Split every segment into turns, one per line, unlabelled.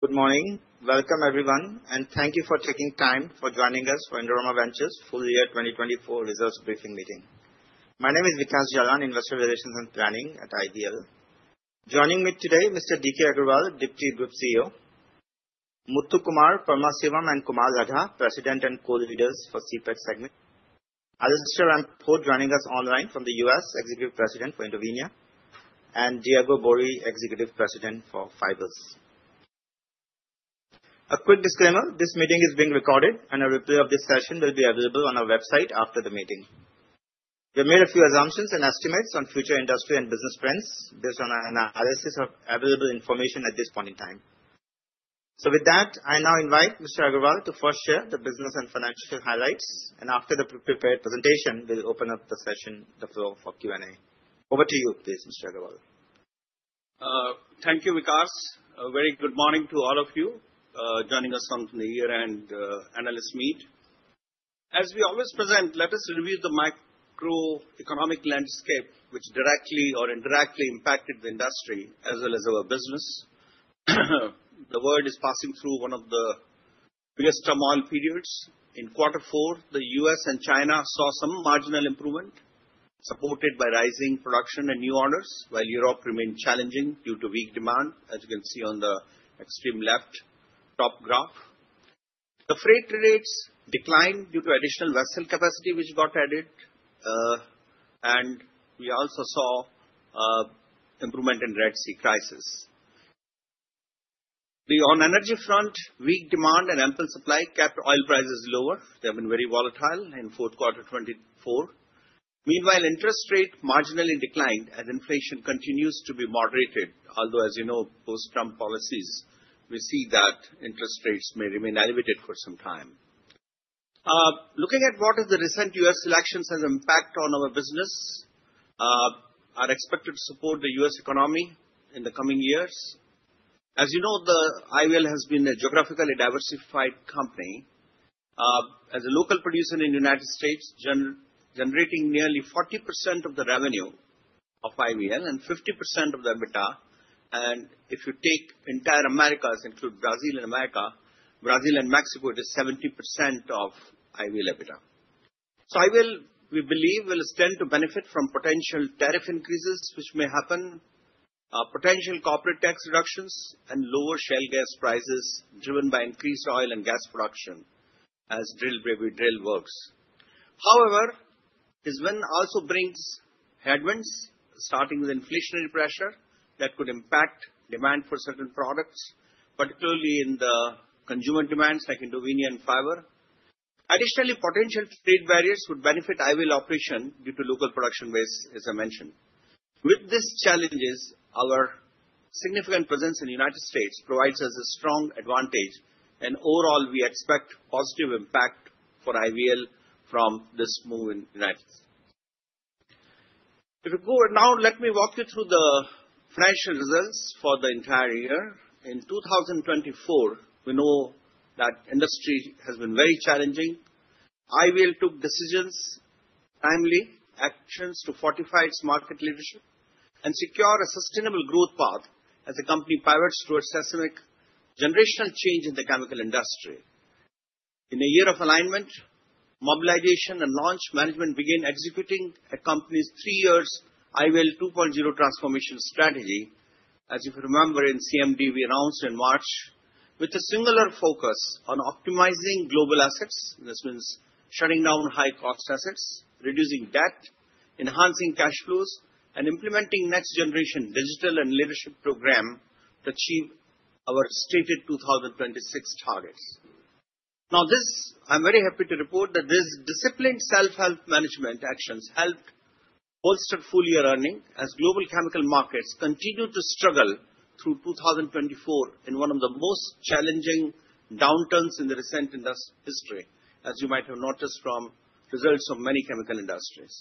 Good morning. Welcome, everyone, and thank you for taking time for joining us for Indorama Ventures' full year 2024 results briefing meeting. My name is Vikash Jalan, Investor Relations and Planning at IVL. Joining me today, Mr. DK Agarwal, Deputy Group CEO; Muthukumar Paramasivam and Kumar Ladha, President and Co-Leaders for CPET Segment; Alastair Port, joining us online from the U.S., Executive President for Indovinya; and Diego Boeri, Executive President for Fibers. A quick disclaimer: this meeting is being recorded, and a replay of this session will be available on our website after the meeting. We have made a few assumptions and estimates on future industry and business trends based on our analysis of available information at this point in time. So, with that, I now invite Mr. Agarwal to first share the business and financial highlights, and after the prepared presentation, we'll open up the session to the floor for Q&A. Over to you, please, Mr. Agarwal.
Thank you, Vikash. A very good morning to all of you joining us on the year-end analyst meeting. As we always present, let us review the macroeconomic landscape which directly or indirectly impacted the industry as well as our business. The world is passing through one of the biggest turmoil periods. In Q4, the U.S. and China saw some marginal improvement supported by rising production and new orders, while Europe remained challenging due to weak demand, as you can see on the extreme left top graph. The freight rates declined due to additional vessel capacity which got added, and we also saw improvement in the Red Sea crisis. On the energy front, weak demand and ample supply kept oil prices lower. They have been very volatile in Q4 2024. Meanwhile, interest rates marginally declined as inflation continues to be moderated, although, as you know, post-Trump policies, we see that interest rates may remain elevated for some time. Looking at what the recent U.S. elections have impacted on our business, are expected to support the U.S. economy in the coming years. As you know, IVL has been a geographically diversified company as a local producer in the United States, generating nearly 40% of the revenue of IVL and 50% of the EBITDA. And if you take entire Americas, include Brazil and America, Brazil and Mexico, it is 70% of IVL EBITDA. So, IVL, we believe, will extend to benefit from potential tariff increases which may happen, potential corporate tax reductions, and lower shale gas prices driven by increased oil and gas production as drill, baby drill works. However, this wind also brings headwinds, starting with inflationary pressure that could impact demand for certain products, particularly in the consumer demands like Indovinya and Fibers. Additionally, potential trade barriers would benefit IVL operations due to local production base, as I mentioned. With these challenges, our significant presence in the United States provides us a strong advantage, and overall, we expect a positive impact for IVL from this move in the United States. If you go now, let me walk you through the financial results for the entire year. In 2024, we know that industry has been very challenging. IVL took decisions timely, actions to fortify its market leadership, and secured a sustainable growth path as the company pivots towards seismic generational change in the chemical industry. In a year of alignment, mobilization, and launch management began executing a company's three-year IVL 2.0 transformation strategy. As you remember, in CMD, we announced in March with a singular focus on optimizing global assets. This means shutting down high-cost assets, reducing debt, enhancing cash flows, and implementing next-generation digital and leadership program to achieve our stated 2026 targets. Now, this, I'm very happy to report that these disciplined self-help management actions helped bolster full-year earnings as global chemical markets continue to struggle through 2024 in one of the most challenging downturns in the recent industry history, as you might have noticed from results from many chemical industries.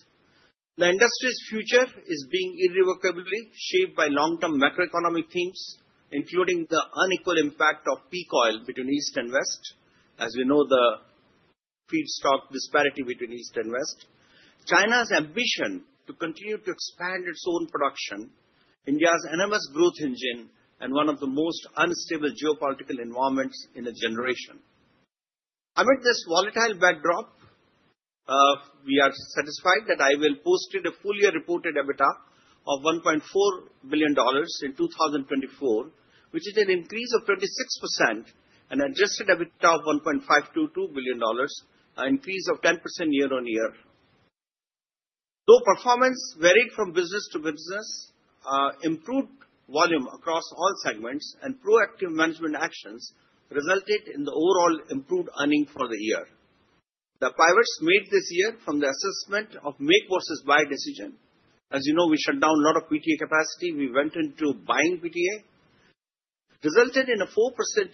The industry's future is being irrevocably shaped by long-term macroeconomic themes, including the unequal impact of peak oil between East and West, as we know, the feedstock disparity between East and West, China's ambition to continue to expand its own production, India's enormous growth engine, and one of the most unstable geopolitical environments in a generation. Amid this volatile backdrop, we are satisfied that IVL posted a full-year reported EBITDA of $1.4 billion in 2024, which is an increase of 26%, an adjusted EBITDA of $1.522 billion, an increase of 10% year-on-year. Though performance varied from business to business, improved volume across all segments and proactive management actions resulted in the overall improved earnings for the year. The pivots made this year from the assessment of make versus buy decision. As you know, we shut down a lot of PTA capacity. We went into buying PTA, resulted in a 4%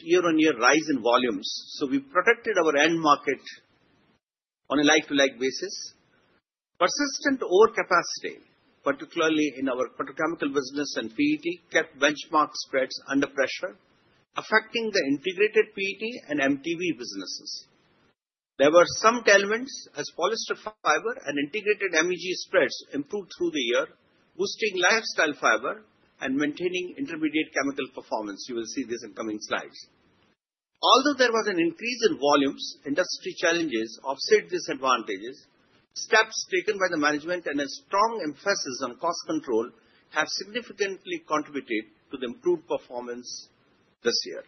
year-on-year rise in volumes. So, we protected our end market on a like-to-like basis. Persistent overcapacity, particularly in our petrochemical business and PET, kept benchmark spreads under pressure, affecting the integrated PET and MTBE businesses. There were some tailwinds as polyester fiber and integrated MEG spreads improved through the year, boosting Lifestyle fiber and maintaining intermediate chemical performance. You will see this in coming slides. Although there was an increase in volumes, industry challenges offset these advantages. Steps taken by the management and a strong emphasis on cost control have significantly contributed to the improved performance this year.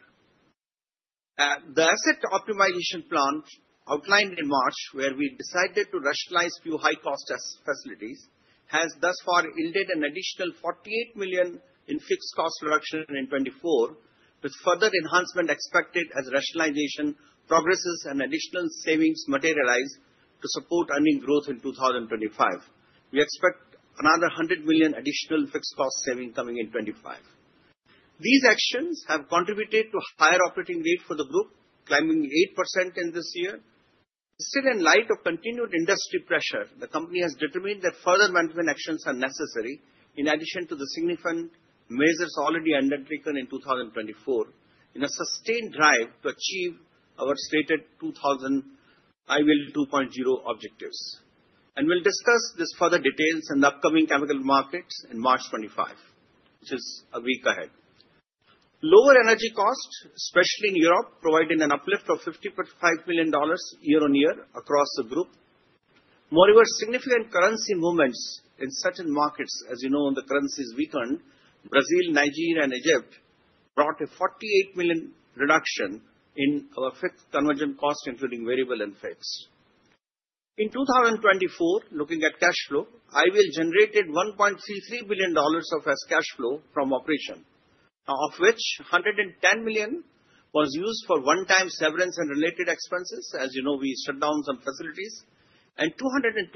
The asset optimization plan outlined in March, where we decided to rationalize a few high-cost facilities, has thus far yielded an additional $48 million in fixed cost reduction in 2024, with further enhancement expected as rationalization progresses and additional savings materialize to support earnings growth in 2025. We expect another $100 million additional fixed cost saving coming in 2025. These actions have contributed to a higher operating rate for the group, climbing 8% this year. Still, in light of continued industry pressure, the company has determined that further management actions are necessary in addition to the significant measures already undertaken in 2024 in a sustained drive to achieve our stated IVL 2.0 objectives. And we'll discuss these further details in the upcoming chemical markets in March 2025, which is a week ahead. Lower energy costs, especially in Europe, provided an uplift of $55 million year-on-year across the group. Moreover, significant currency movements in certain markets, as you know, the currencies weakened: Brazil, Nigeria, and Egypt brought a $48 million reduction in our fixed conversion cost, including variable and fixed. In 2024, looking at cash flow, IVL generated $1.33 billion of cash flow from operations, of which $110 million was used for one-time severance and related expenses. As you know, we shut down some facilities, and $229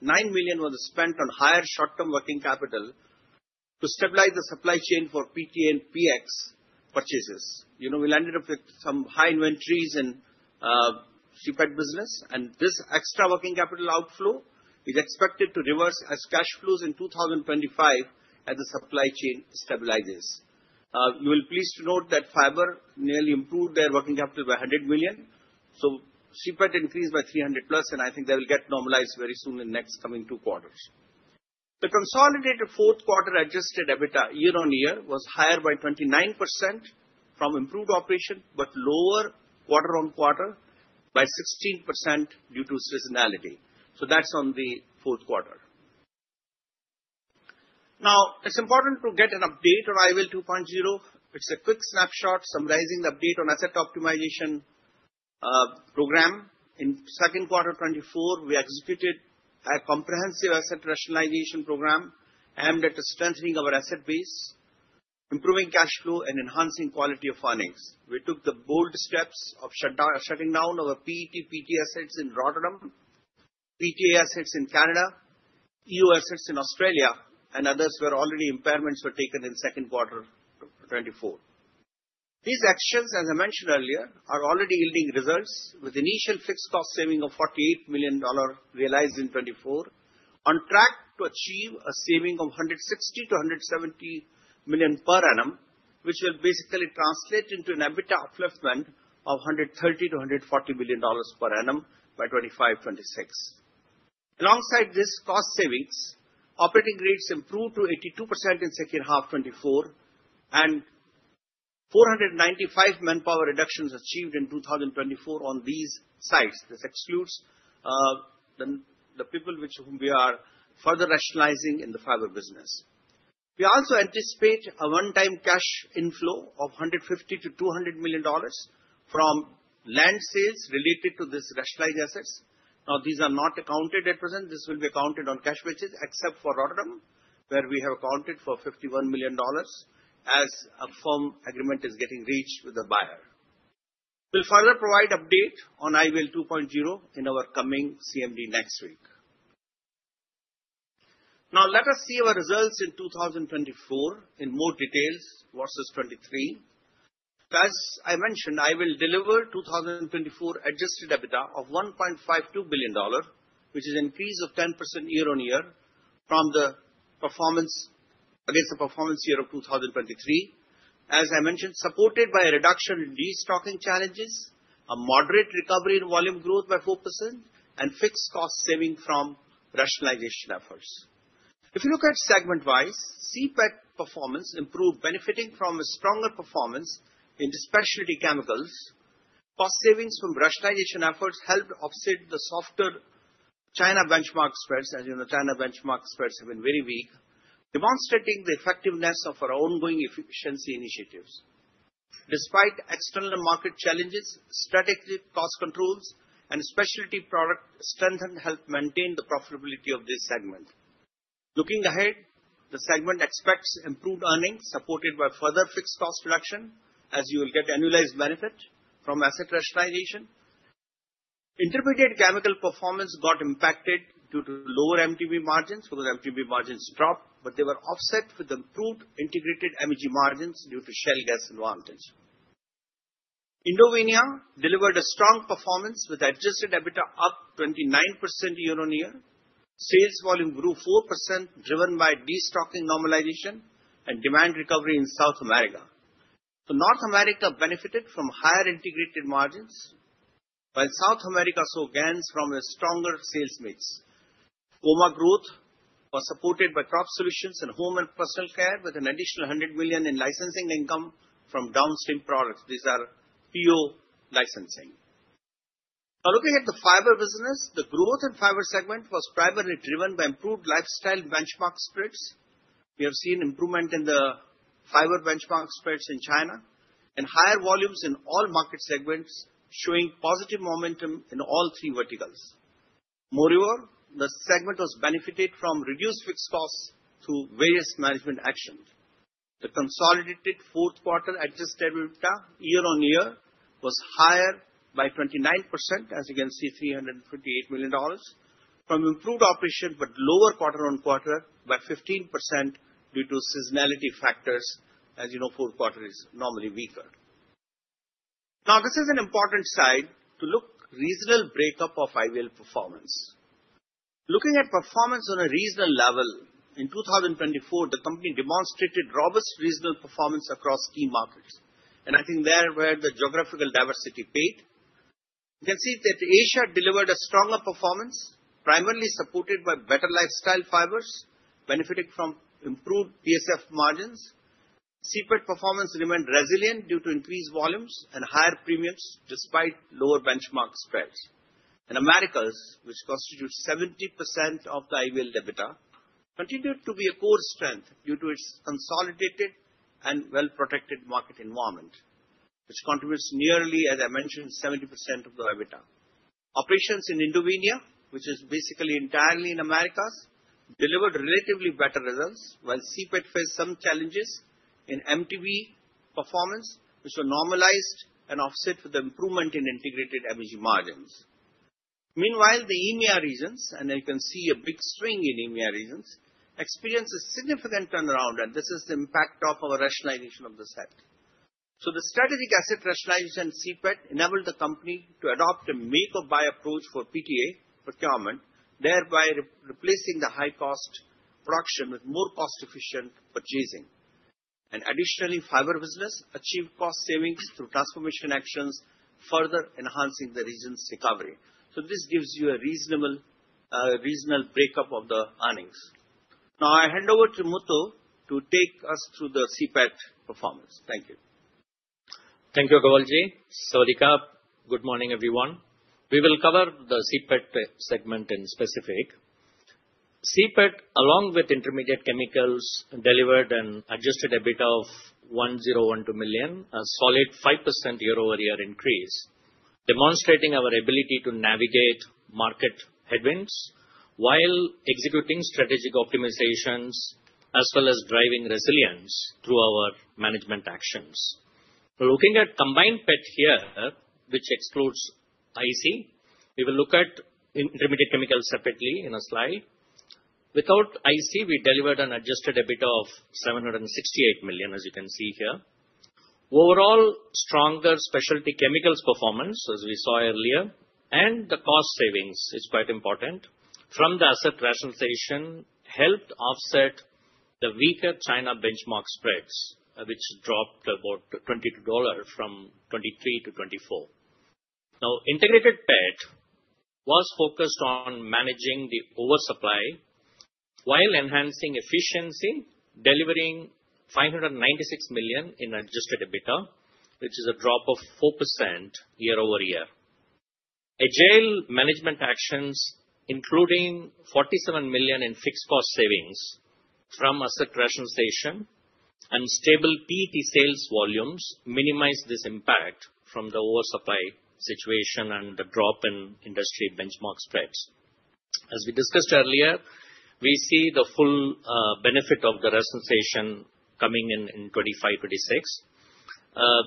million was spent on higher short-term working capital to stabilize the supply chain for PTA and PX purchases. You know, we landed up with some high inventories in CPET business, and this extra working capital outflow is expected to reverse as cash flows in 2025 as the supply chain stabilizes. You will be pleased to note that fiber nearly improved their working capital by $100 million. So, CPET increased by $300 plus, and I think they will get normalized very soon in the next coming two quarters. The consolidated Q4 adjusted EBITDA year-on-year was higher by 29% from improved operation, but lower quarter-on-quarter by 16% due to seasonality. So, that's on the fourth quarter. Now, it's important to get an update on IVL 2.0. It's a quick snapshot summarizing the update on asset optimization program. In Q2 2024, we executed a comprehensive asset rationalization program aimed at strengthening our asset base, improving cash flow, and enhancing quality of earnings. We took the bold steps of shutting down our PET/PTA assets in Rotterdam, PTA assets in Canada, EO assets in Australia, and others where already impairments were taken in Q2 2024. These actions, as I mentioned earlier, are already yielding results, with initial fixed cost saving of $48 million realized in 2024, on track to achieve a saving of $160-$170 million per annum, which will basically translate into an EBITDA upliftment of $130-$140 million per annum by 2025-2026. Alongside these cost savings, operating rates improved to 82% in the second half of 2024, and 495 manpower reductions achieved in 2024 on these sites. This excludes the people with whom we are further rationalizing in the fiber business. We also anticipate a one-time cash inflow of $150-$200 million from land sales related to these rationalized assets. Now, these are not accounted at present. This will be accounted on cash basis, except for Rotterdam, where we have accounted for $51 million as a firm agreement is getting reached with the buyer. We'll further provide an update on IVL 2.0 in our coming CMD next week. Now, let us see our results in 2024 in more detail versus 2023. As I mentioned, IVL delivered 2024 adjusted EBITDA of $1.52 billion, which is an increase of 10% year-on-year from the performance against the performance year of 2023. As I mentioned, supported by a reduction in destocking challenges, a moderate recovery in volume growth by 4%, and fixed cost saving from rationalization efforts. If you look at segment-wise, CPET performance improved, benefiting from a stronger performance in Specialty Chemicals. Cost savings from rationalization efforts helped offset the softer China benchmark spreads, as you know, the China benchmark spreads have been very weak, demonstrating the effectiveness of our ongoing efficiency initiatives. Despite external market challenges, strategic cost controls, and specialty product strengthened helped maintain the profitability of this segment. Looking ahead, the segment expects improved earnings supported by further fixed cost reduction, as you will get annualized benefit from asset rationalization. Intermediate chemical performance got impacted due to lower MTBE margins because MTBE margins dropped, but they were offset with improved integrated MEG margins due to shale gas advantage. Indovinya delivered a strong performance with adjusted EBITDA up 29% year-on-year. Sales volume grew 4%, driven by destocking normalization and demand recovery in South America. North America benefited from higher integrated margins, while South America saw gains from a stronger sales mix. Volume growth was supported by crop solutions and Home and Personal Care, with an additional $100 million in licensing income from downstream products. These are PO licensing. Now, looking at the fiber business, the growth in fiber segment was primarily driven by improved Lifestyle benchmark spreads. We have seen improvement in the fiber benchmark spreads in China and higher volumes in all market segments, showing positive momentum in all three verticals. Moreover, the segment was benefited from reduced fixed costs through various management actions. The consolidated Q4 adjusted EBITDA year-on-year was higher by 29%, as you can see $328 million, from improved operation, but lower quarter-on-quarter by 15% due to seasonality factors, as you know, Q4 is normally weaker. Now, this is an important slide to look at the regional breakdown of IVL performance. Looking at performance on a regional level in 2024, the company demonstrated robust regional performance across key markets. I think that's where the geographical diversity paid. You can see that Asia delivered a stronger performance, primarily supported by better Lifestyle fibers, benefiting from improved PSF margins. CPET performance remained resilient due to increased volumes and higher premiums despite lower benchmark spreads. The Americas, which constitutes 70% of the IVL EBITDA, continued to be a core strength due to its consolidated and well-protected market environment, which contributes nearly, as I mentioned, 70% of the EBITDA. Operations in Indovinya, which is basically entirely in the Americas, delivered relatively better results, while CPET faced some challenges in MTBE performance, which were normalized and offset with the improvement in integrated MEG margins. Meanwhile, the EMEA regions, and you can see a big swing in EMEA regions, experienced a significant turnaround, and this is the impact of our rationalization of the asset. The strategic asset rationalization and CPET enabled the company to adopt a make-or-buy approach for PTA procurement, thereby replacing the high-cost production with more cost-efficient purchasing. Additionally, fiber business achieved cost savings through transformation actions, further enhancing the region's recovery. This gives you a reasonable breakdown of the earnings. Now, I hand over to Muthu to take us through the CPET performance. Thank you.
Thank you, Kumar Ji. Sawasdee ka. Good morning, everyone. We will cover the CPET segment in specific. CPET, along with Intermediate Chemicals, delivered an adjusted EBITDA of $1,012 million, a solid 5% year-over-year increase, demonstrating our ability to navigate market headwinds while executing strategic optimizations as well as driving resilience through our management actions. Looking at combined PET here, which excludes IC, we will look at Intermediate Chemicals separately in a slide. Without IC, we delivered an adjusted EBITDA of $768 million, as you can see here. Overall, stronger Specialty Chemicals performance, as we saw earlier, and the cost savings is quite important from the asset rationalization helped offset the weaker China benchmark spreads, which dropped about $22 from 2023 to 2024. Now, integrated PET was focused on managing the oversupply while enhancing efficiency, delivering $596 million in adjusted EBITDA, which is a drop of 4% year-over-year. Agile management actions, including $47 million in fixed cost savings from asset rationalization and stable PET sales volumes, minimized this impact from the oversupply situation and the drop in industry benchmark spreads. As we discussed earlier, we see the full benefit of the rationalization coming in 2025-2026.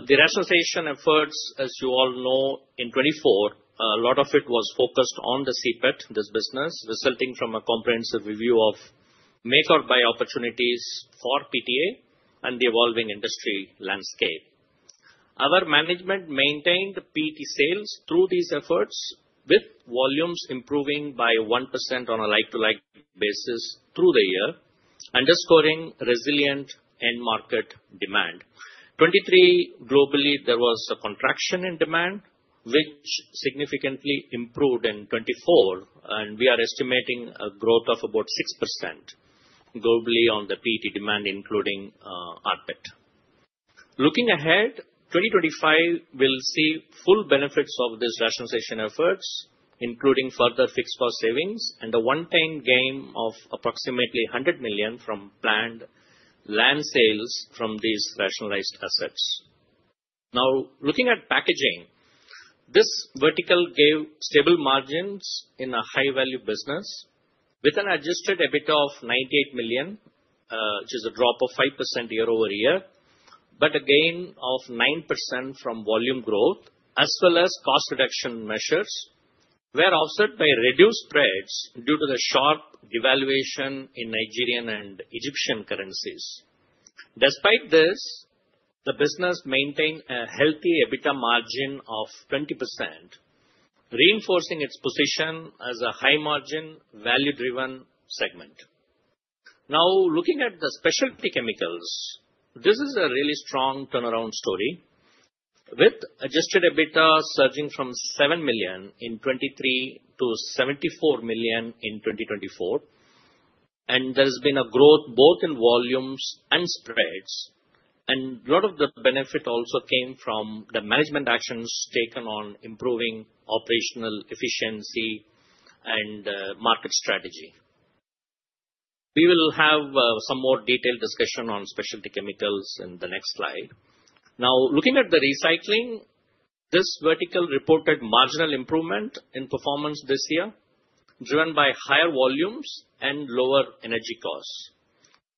The rationalization efforts, as you all know, in 2024, a lot of it was focused on the CPET, this business, resulting from a comprehensive review of make-or-buy opportunities for PTA and the evolving industry landscape. Our management maintained PET sales through these efforts, with volumes improving by 1% on a like-to-like basis through the year, underscoring resilient end-market demand. In 2023 globally, there was a contraction in demand, which significantly improved in 2024, and we are estimating a growth of about 6% globally on the PET demand, including rPET. Looking ahead, 2025 will see full benefits of these rationalization efforts, including further fixed cost savings and a one-time gain of approximately $100 million from planned land sales from these rationalized assets. Now, looking at Packaging, this vertical gave stable margins in a high-value business with an adjusted EBITDA of $98 million, which is a drop of 5% year-over-year, but a gain of 9% from volume growth, as well as cost reduction measures were offset by reduced spreads due to the sharp devaluation in Nigerian and Egyptian currencies. Despite this, the business maintained a healthy EBITDA margin of 20%, reinforcing its position as a high-margin, value-driven segment. Now, looking at the Specialty Chemicals, this is a really strong turnaround story, with adjusted EBITDA surging from $7 million in 2023 to $74 million in 2024. And there has been a growth both in volumes and spreads, and a lot of the benefit also came from the management actions taken on improving operational efficiency and market strategy. We will have some more detailed discussion on Specialty Chemicals in the next slide.
Now, looking at the Specialty Chemicals, this vertical reported marginal improvement in performance this year, driven by higher volumes and lower energy costs.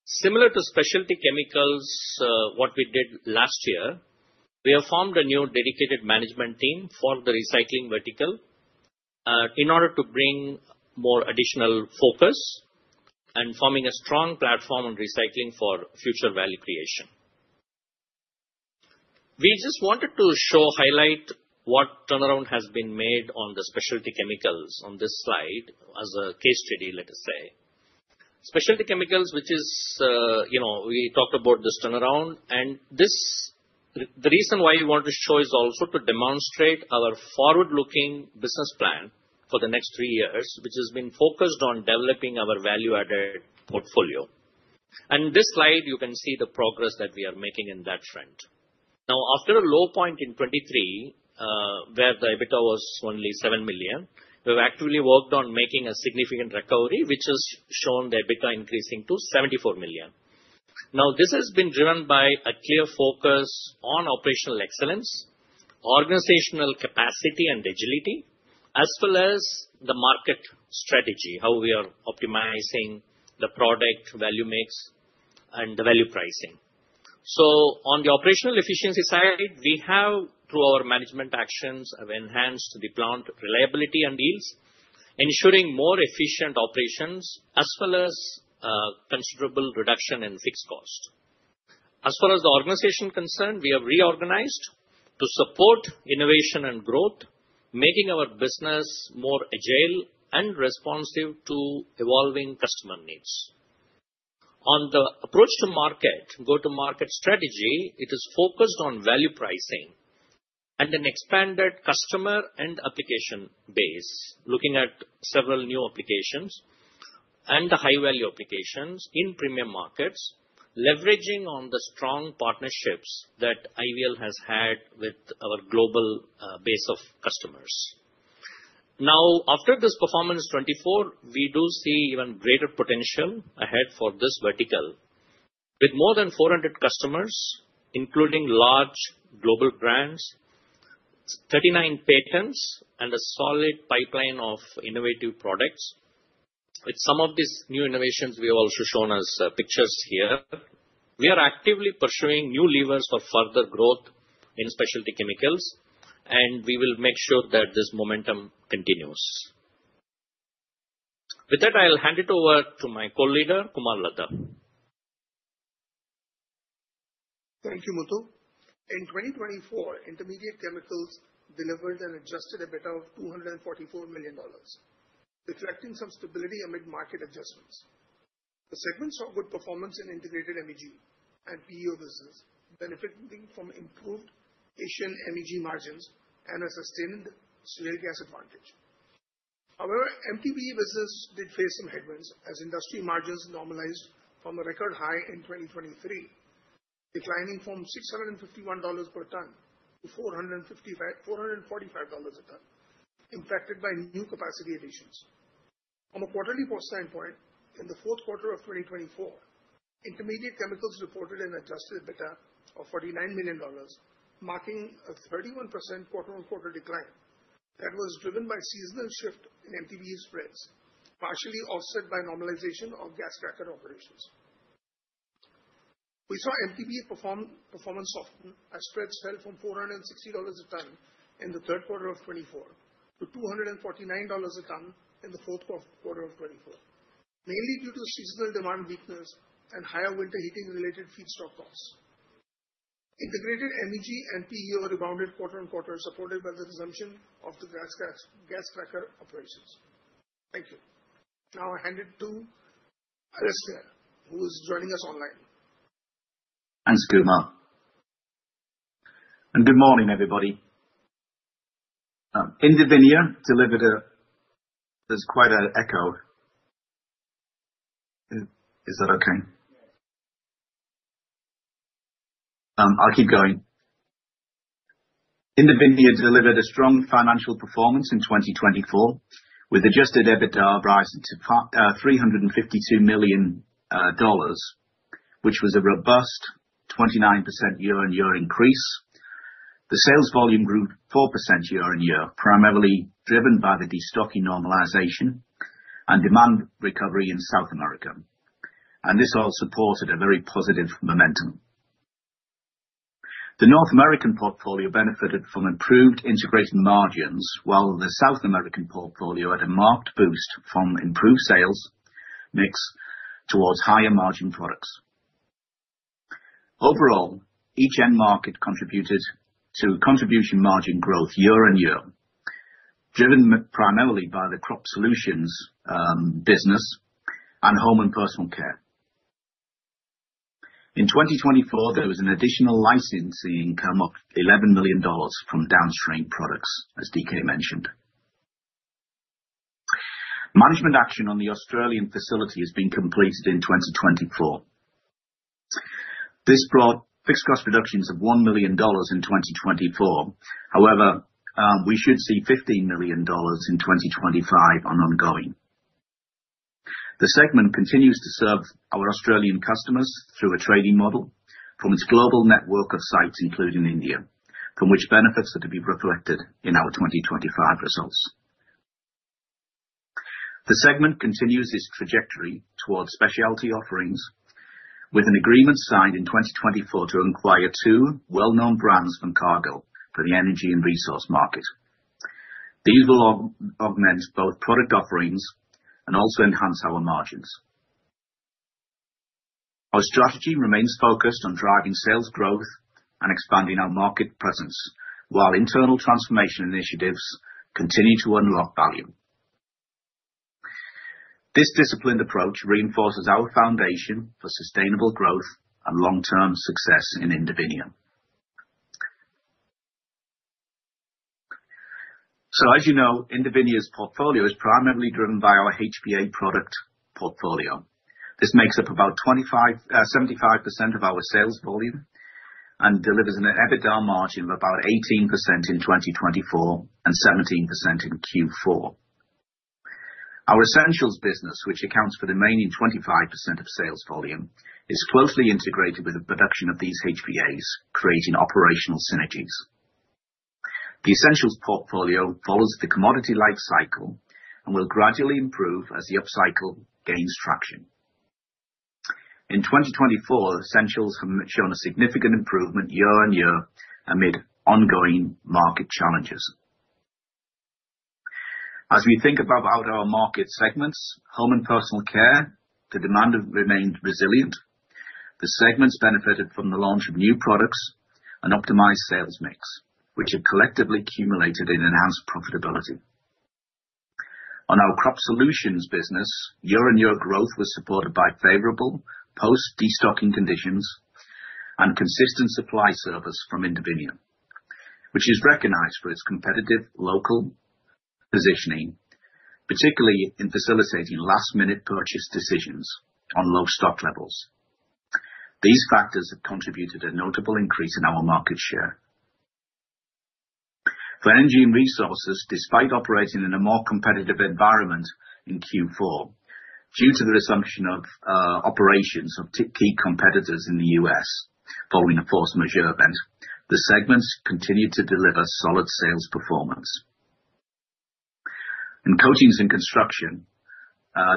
Similar to Specialty Chemicals, what we did last year, we have formed a new dedicated management team for the recycling vertical in order to bring more additional focus and forming a strong platform on recycling for future value creation. We just wanted to show, highlight what turnaround has been made on the Specialty Chemicals on this slide as a case study, let us say. Specialty Chemicals, which is, you know, we talked about this turnaround, and the reason why we want to show is also to demonstrate our forward-looking business plan for the next three years, which has been focused on developing our value-added portfolio, and in this slide, you can see the progress that we are making in that trend. Now, after a low point in 2023, where the EBITDA was only $7 million, we have actually worked on making a significant recovery, which has shown the EBITDA increasing to $74 million. Now, this has been driven by a clear focus on operational excellence, organizational capacity and agility, as well as the market strategy, how we are optimizing the product value mix and the value pricing. So, on the operational efficiency side, we have, through our management actions, enhanced the plant reliability and yields, ensuring more efficient operations, as well as a considerable reduction in fixed cost. As far as the organization is concerned, we have reorganized to support innovation and growth, making our business more agile and responsive to evolving customer needs. On the approach to market, go-to-market strategy, it is focused on value pricing and an expanded customer and application base, looking at several new applications and high-value applications in premium markets, leveraging on the strong partnerships that IVL has had with our global base of customers. Now, after this performance 2024, we do see even greater potential ahead for this vertical, with more than 400 customers, including large global brands, 39 patents, and a solid pipeline of innovative products. With some of these new innovations, we have also shown as pictures here. We are actively pursuing new levers for further growth in Specialty Chemicals, and we will make sure that this momentum continues. With that, I'll hand it over to my co-leader, Kumar Ladha.
Thank you, Muthu. In 2024, Intermediate Chemicals delivered an adjusted EBITDA of $244 million, reflecting some stability amid market adjustments. The segment saw good performance in integrated MEG and PEO business, benefiting from improved Asian MEG margins and a sustained shale gas advantage. However, MTBE business did face some headwinds as industry margins normalized from a record high in 2023, declining from $651 per ton to $445 a ton, impacted by new capacity additions. From a quarterly perspective, in the fourth quarter of 2024, Intermediate Chemicals reported an adjusted EBITDA of $49 million, marking a 31% quarter-on-quarter decline that was driven by seasonal shift in MTBE spreads, partially offset by normalizationgas cracker operations. We saw MTBE performance soften as spreads fell from $460 a ton in the third quarter of 2024 to $249 a ton in the fourth quarter of 2024, mainly due to seasonal demand weakness and higher winter heating-related feedstock costs. Integrated MEG and PEO rebounded quarter-on-quarter, supported by the resumption of gas cracker operations. Thank you. Now, I hand it to Alastair, who is joining us online.
Thanks, Kumar, and good morning, everybody. There's quite an echo. Is that okay? I'll keep going. Indovinya delivered a strong financial performance in 2024, with adjusted EBITDA rising to $352 million, which was a robust 29% year-on-year increase. The sales volume grew 4% year-on-year, primarily driven by the destocking normalization and demand recovery in South America, and this all supported a very positive momentum. The North American portfolio benefited from improved integrated margins, while the South American portfolio had a marked boost from improved sales mix towards higher margin products. Overall, each end market contributed to contribution margin growth year-on-year, driven primarily by the Crop Solutions business and Home and Personal Care. In 2024, there was an additional licensing income of $11 million from downstream products, as DK mentioned. Management action on the Australian facility has been completed in 2024. This brought fixed cost reductions of $1 million in 2024. However, we should see $15 million in 2025 ongoing. The segment continues to serve our Australian customers through a trading model from its global network of sites, including India, from which benefits are to be reflected in our 2025 results. The segment continues its trajectory towards specialty offerings, with an agreement signed in 2024 to acquire two well-known brands from Cargill for the energy and resource market. These will augment both product offerings and also enhance our margins. Our strategy remains focused on driving sales growth and expanding our market presence, while internal transformation initiatives continue to unlock value. This disciplined approach reinforces our foundation for sustainable growth and long-term success in Indovinya. So, as you know, Indovinya's portfolio is primarily driven by our HVA product portfolio. This makes up about 75% of our sales volume and delivers an EBITDA margin of about 18% in 2024 and 17% in Q4. Our Essentials business, which accounts for the remaining 25% of sales volume, is closely integrated with the production of these HVAs, creating operational synergies. The Essentials portfolio follows the commodity life cycle and will gradually improve as the upcycle gains traction. In 2024, Essentials have shown a significant improvement year-on-year amid ongoing market challenges. As we think about our market segments, Home and Personal Care, the demand remained resilient. The segments benefited from the launch of new products and optimized sales mix, which have collectively cumulated in enhanced profitability. On our crop solutions business, year-on-year growth was supported by favorable post-destocking conditions and consistent supply service from Indovinya, which is recognized for its competitive local positioning, particularly in facilitating last-minute purchase decisions on low stock levels. These factors have contributed to a notable increase in our market share. For energy and resources, despite operating in a more competitive environment in Q4, due to the resumption of operations of key competitors in the U.S. following a force majeure event, the segments continued to deliver solid sales performance. In Coatings and Construction,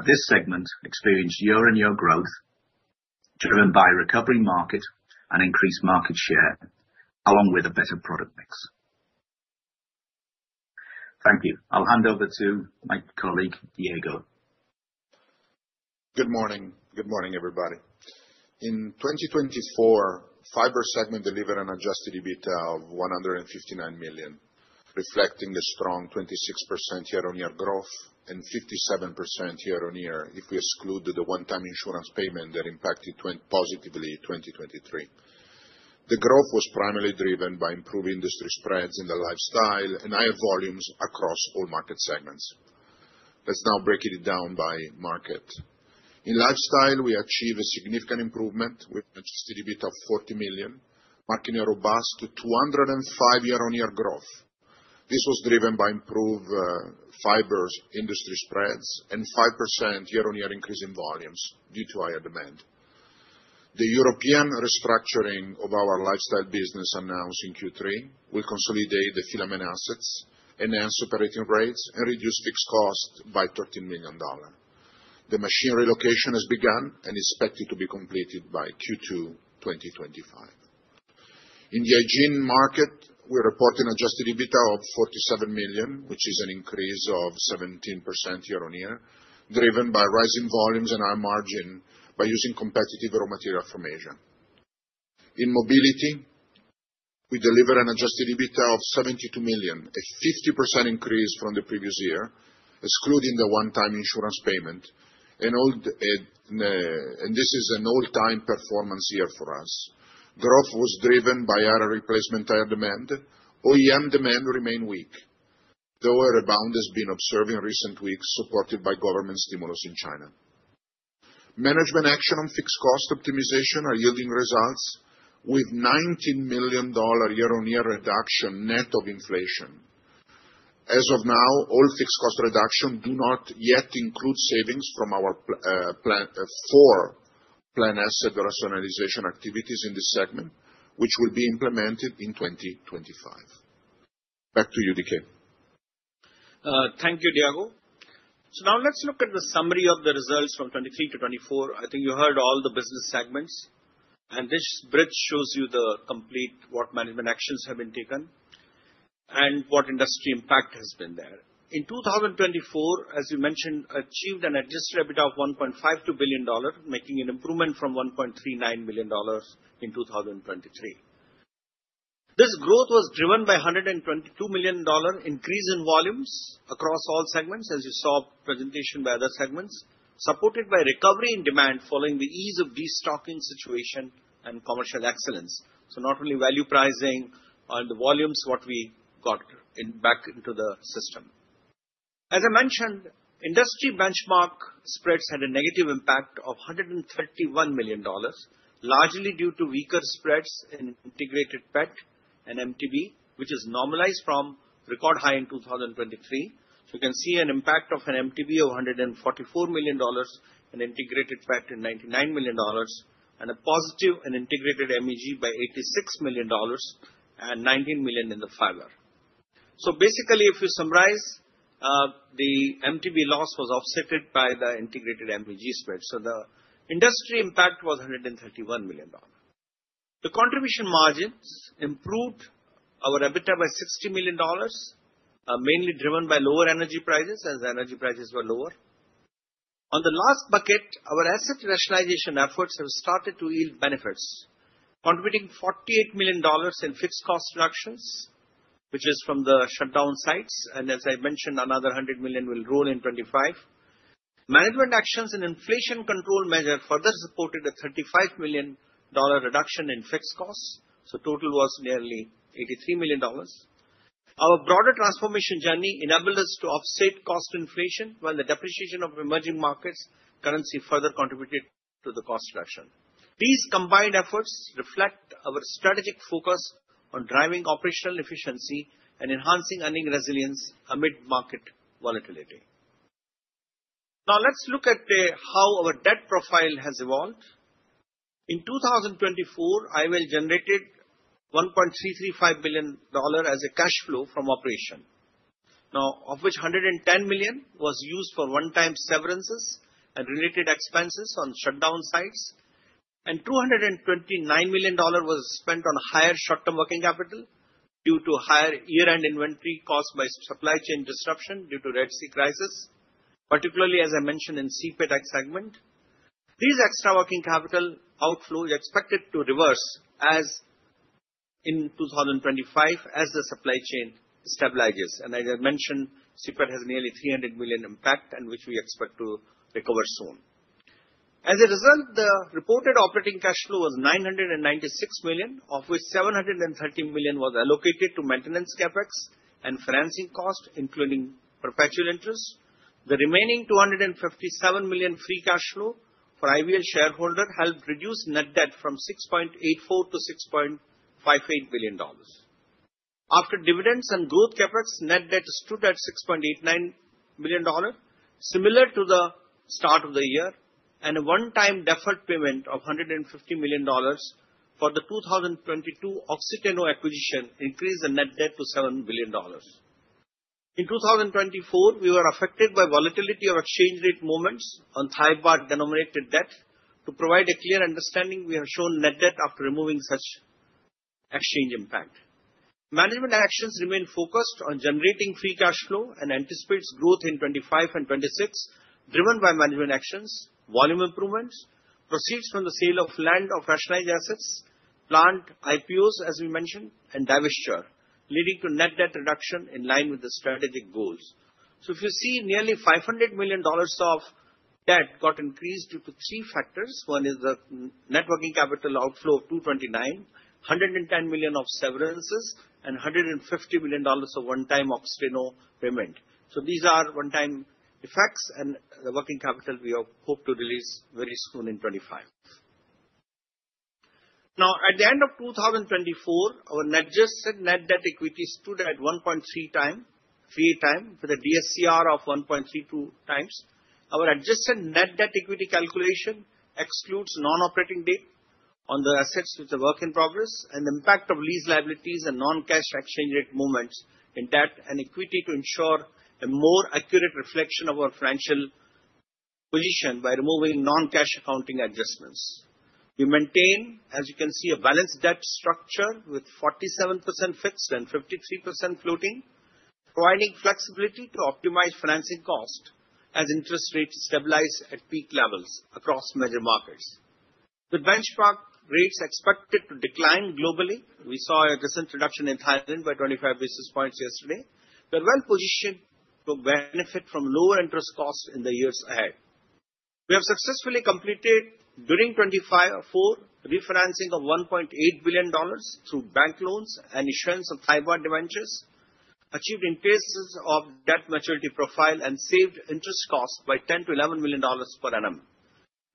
this segment experienced year-on-year growth driven by a recovering market and increased market share, along with a better product mix. Thank you. I'll hand over to my colleague, Diego.
Good morning. Good morning, everybody. In 2024, fiber segment delivered an adjusted EBITDA of $159 million, reflecting a strong 26% year-on-year growth and 57% year-on-year if we exclude the one-time insurance payment that impacted positively 2023. The growth was primarily driven by improved industry spreads in the Lifestyle and higher volumes across all market segments. Let's now break it down by market. In Lifestyle, we achieved a significant improvement with an adjusted EBITDA of $40 million, marking a robust 205% year-on-year growth. This was driven by improved fiber industry spreads and 5% year-on-year increase in volumes due to higher demand. The European restructuring of our Lifestyle business announced in Q3 will consolidate the filament assets, enhance operating rates, and reduce fixed costs by $13 million. The machine relocation has begun and is expected to be completed by Q2 2025. In the Asian market, we report an adjusted EBITDA of $47 million, which is an increase of 17% year-on-year, driven by rising volumes and high margin by using competitive raw material from Asia. In Mobility, we delivered an adjusted EBITDA of $72 million, a 50% increase from the previous year, excluding the one-time insurance payment, and this is an all-time performance year for us. Growth was driven by higher replacement, higher demand. OEM demand remained weak, though a rebound has been observed in recent weeks, supported by government stimulus in China. Management action on fixed cost optimization are yielding results with $19 million year-on-year reduction net of inflation. As of now, all fixed cost reductions do not yet include savings from our four plant asset rationalization activities in this segment, which will be implemented in 2025. Back to you, DK.
Thank you, Diego. So now let's look at the summary of the results from 2023 to 2024. I think you heard all the business segments, and this bridge shows you the complete what management actions have been taken and what industry impact has been there. In 2024, as you mentioned, achieved an adjusted EBITDA of $1.52 billion, making an improvement from $1.39 million in 2023. This growth was driven by a $122 million increase in volumes across all segments, as you saw presentation by other segments, supported by recovery in demand following the ease of destocking situation and commercial excellence. So not only value pricing and the volumes what we got back into the system. As I mentioned, industry benchmark spreads had a negative impact of $131 million, largely due to weaker spreads in integrated PET and MTBE, which has normalized from record high in 2023. So you can see an impact of an MTBE of $144 million and integrated PET in $99 million, and a positive and integrated MEG by $86 million and $19 million in the fiber. So basically, if you summarize, the MTBE loss was offset by the integrated MEG spread. So the industry impact was $131 million. The contribution margins improved our EBITDA by $60 million, mainly driven by lower energy prices as the energy prices were lower. On the last bucket, our asset rationalization efforts have started to yield benefits, contributing $48 million in fixed cost reductions, which is from the shutdown sites, and as I mentioned, another $100 million will roll in 2025. Management actions and inflation control measure further supported a $35 million reduction in fixed costs, so total was nearly $83 million. Our broader transformation journey enabled us to offset cost inflation when the depreciation of emerging markets currency further contributed to the cost reduction. These combined efforts reflect our strategic focus on driving operational efficiency and enhancing earning resilience amid market volatility. Now, let's look at how our debt profile has evolved. In 2024, IVL generated $1.335 million as a cash flow from operation, of which $110 million was used for one-time severances and related expenses on shutdown sites, and $229 million was spent on higher short-term working capital due to higher year-end inventory costs by supply chain disruption due to Red Sea crisis, particularly, as I mentioned, in CPET segment. These extra working capital outflows are expected to reverse in 2025 as the supply chain stabilizes. And as I mentioned, CPET has nearly $300 million impact, which we expect to recover soon. As a result, the reported operating cash flow was $996 million, of which $730 million was allocated to maintenance CapEx and financing costs, including perpetual interest. The remaining $257 million free cash flow for IVL shareholders helped reduce net debt from $6.84 billion to $6.58 billion. After dividends and growth CapEx, net debt stood at $6.89 million, similar to the start of the year, and a one-time deferred payment of $150 million for the 2022 Oxiteno acquisition increased the net debt to $7 billion. In 2024, we were affected by volatility of exchange rate movements on Thai Baht denominated debt. To provide a clear understanding, we have shown net debt after removing such exchange impact. Management actions remain focused on generating free cash flow and anticipate growth in 2025 and 2026, driven by management actions, volume improvements, proceeds from the sale of land of rationalized assets, planned IPOs, as we mentioned, and divestiture, leading to net debt reduction in line with the strategic goals. So if you see nearly $500 million of debt got increased due to three factors. One is the net working capital outflow of $229 million, $110 million of severances, and $150 million of one-time acquisition payment. These are one-time effects, and the working capital we hope to release very soon in 2025. Now, at the end of 2024, our net debt equity stood at 1.3 times, 3 times, with a DSCR of 1.32 times. Our adjusted net debt equity calculation excludes non-operating debt on the assets with the work in progress and the impact of lease liabilities and non-cash exchange rate movements in debt and equity to ensure a more accurate reflection of our financial position by removing non-cash accounting adjustments. We maintain, as you can see, a balanced debt structure with 47% fixed and 53% floating, providing flexibility to optimize financing costs as interest rates stabilize at peak levels across major markets. With benchmark rates expected to decline globally, we saw a recent reduction in Thailand by 25 basis points yesterday. We are well positioned to benefit from lower interest costs in the years ahead. We have successfully completed during 2024 refinancing of $1.8 billion through bank loans and issuance of Thai Baht denominated, achieved increases of debt maturity profile, and saved interest costs by $10-$11 million per annum.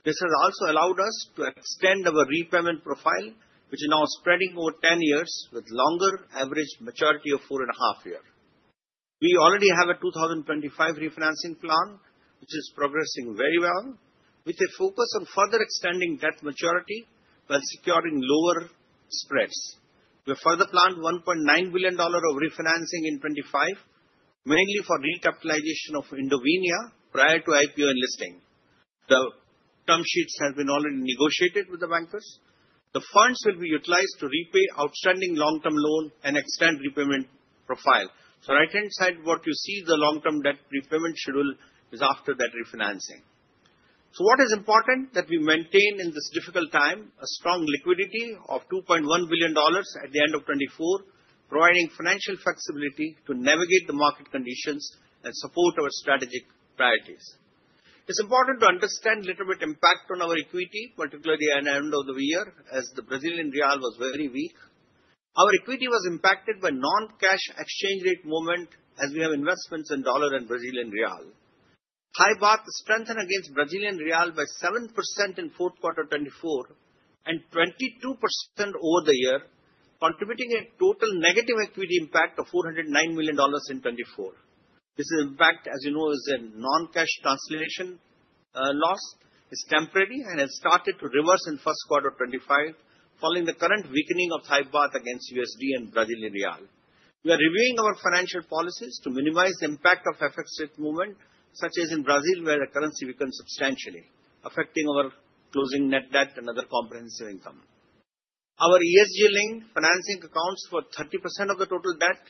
This has also allowed us to extend our repayment profile, which is now spreading over 10 years with longer average maturity of four and a half years. We already have a 2025 refinancing plan, which is progressing very well, with a focus on further extending debt maturity while securing lower spreads. We have further planned $1.9 billion of refinancing in 2025, mainly for recapitalization of Indovinya prior to IPO and listing. The term sheets have been already negotiated with the bankers. The funds will be utilized to repay outstanding long-term loans and extend repayment profile. So right-hand side, what you see, the long-term debt repayment schedule is after that refinancing. So what is important that we maintain in this difficult time is a strong liquidity of $2.1 billion at the end of 2024, providing financial flexibility to navigate the market conditions and support our strategic priorities. It's important to understand a little bit of impact on our equity, particularly at the end of the year, as the Brazilian real was very weak. Our equity was impacted by non-cash exchange rate movement as we have investments in dollar and Brazilian real. Thai Baht strengthened against Brazilian real by 7% in fourth quarter 2024 and 22% over the year, contributing a total negative equity impact of $409 million in 2024. This impact, as you know, is a non-cash translation loss, is temporary and has started to reverse in first quarter 2025 following the current weakening of Thai Baht against USD and Brazilian Real. We are reviewing our financial policies to minimize the impact of FX rate movement, such as in Brazil, where the currency weakened substantially, affecting our closing net debt and other comprehensive income. Our ESG-linked financing accounts for 30% of the total debt,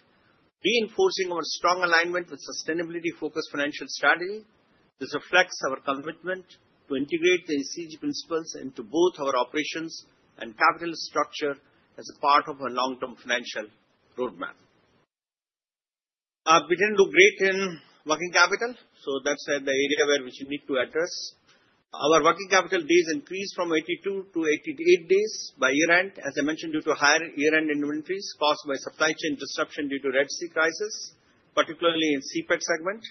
reinforcing our strong alignment with sustainability-focused financial strategy. This reflects our commitment to integrate the ESG principles into both our operations and capital structure as a part of our long-term financial roadmap. We didn't do great in working capital, so that's the area where we need to address. Our working capital days increased from 82 to 88 days by year-end, as I mentioned, due to higher year-end inventories caused by supply chain disruption due to Red Sea crisis, particularly in CPET segment.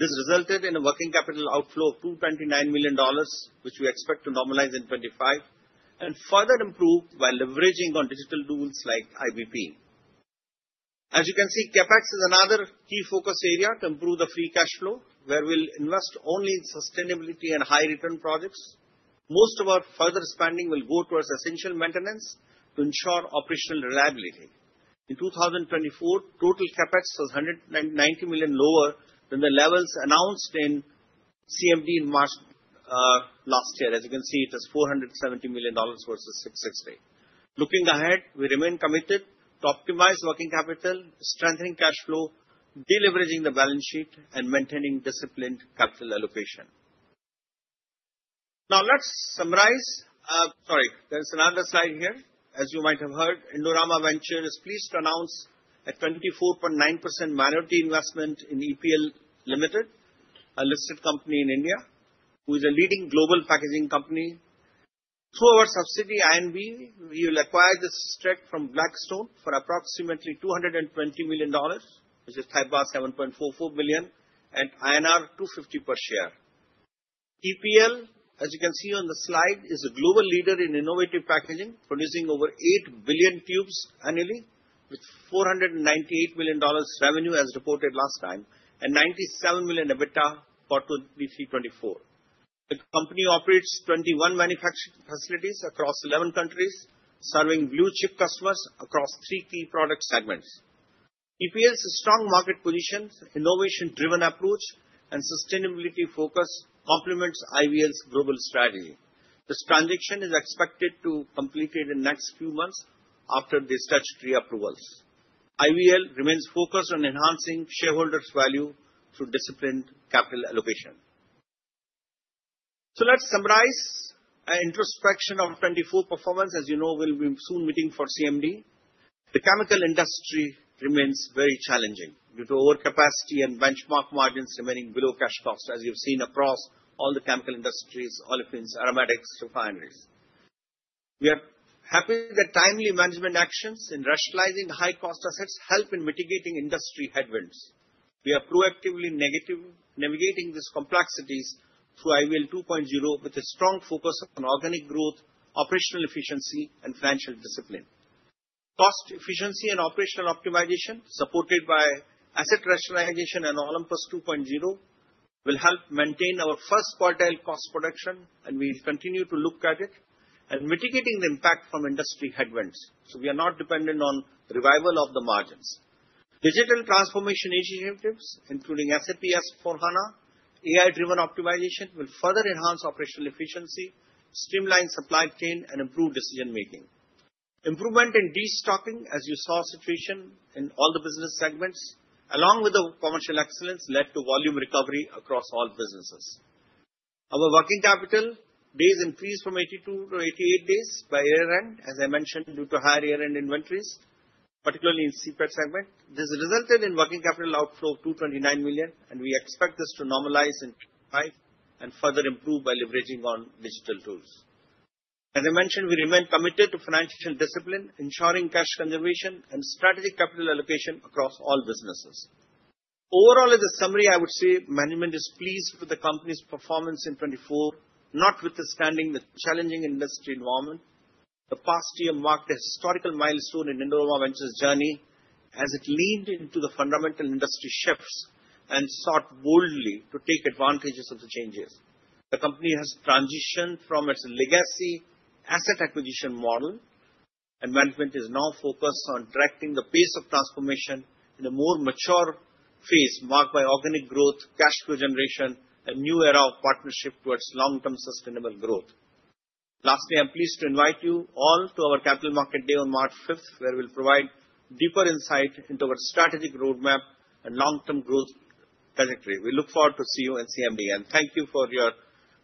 This resulted in a working capital outflow of $229 million, which we expect to normalize in 2025 and further improve by leveraging on digital tools like IBP. As you can see, CapEx is another key focus area to improve the free cash flow, where we'll invest only in sustainability and high-return projects. Most of our further spending will go towards essential maintenance to ensure operational reliability. In 2024, total CapEx was $190 million lower than the levels announced in CMD in March last year. As you can see, it is $470 million versus 2023 date. Looking ahead, we remain committed to optimize working capital, strengthening cash flow, deleveraging the balance sheet, and maintaining disciplined capital allocation. Now, let's summarize. Sorry, there's another slide here. As you might have heard, Indorama Ventures is pleased to announce a 24.9% minority investment in EPL Ltd, a listed company in India, who is a leading global packaging company. Through our subsidiary, IVL, we will acquire this stake from Blackstone for approximately $220 million, which is 7.44 billion, and INR 250 per share. EPL, as you can see on the slide, is a global leader in innovative packaging, producing over eight billion tubes annually, with $498 million revenue as reported last time and $97 million EBITDA for 2023-2024. The company operates 21 manufacturing facilities across 11 countries, serving blue-chip customers across three key product segments. EPL's strong market position, innovation-driven approach, and sustainability focus complement IVL's global strategy. This transaction is expected to complete in the next few months after the statutory approvals. IVL remains focused on enhancing shareholders' value through disciplined capital allocation. So let's summarize an introspection of 2024 performance. As you know, we'll be soon meeting for CMD. The chemical industry remains very challenging due to overcapacity and benchmark margins remaining below cash costs, as you've seen across all the chemical industries, olefins, aromatics, refineries. We are happy that timely management actions in rationalizing high-cost assets help in mitigating industry headwinds. We are proactively navigating these complexities through IVL 2.0 with a strong focus on organic growth, operational efficiency, and financial discipline. Cost efficiency and operational optimization, supported by asset rationalization and Olympus 2.0, will help maintain our first quartile cost production, and we will continue to look at it and mitigate the impact from industry headwinds. So we are not dependent on revival of the margins. Digital transformation initiatives, including SAP S/4HANA, AI-driven optimization, will further enhance operational efficiency, streamline supply chain, and improve decision-making. Improvement in destocking, as you saw, situation in all the business segments, along with the commercial excellence, led to volume recovery across all businesses. Our working capital days increased from 82 to 88 days by year-end, as I mentioned, due to higher year-end inventories, particularly in CPET segment. This resulted in working capital outflow of $229 million, and we expect this to normalize in 2025 and further improve by leveraging on digital tools. As I mentioned, we remain committed to financial discipline, ensuring cash conservation and strategic capital allocation across all businesses. Overall, as a summary, I would say management is pleased with the company's performance in 2024, notwithstanding the challenging industry environment. The past year marked a historical milestone in Indorama Ventures' journey as it leaned into the fundamental industry shifts and sought boldly to take advantage of the changes. The company has transitioned from its legacy asset acquisition model, and management is now focused on directing the pace of transformation in a more mature phase marked by organic growth, cash flow generation, and a new era of partnership towards long-term sustainable growth. Lastly, I'm pleased to invite you all to our Capital Market Day on March 5th, where we'll provide deeper insight into our strategic roadmap and long-term growth trajectory. We look forward to seeing you in CMD, and thank you for your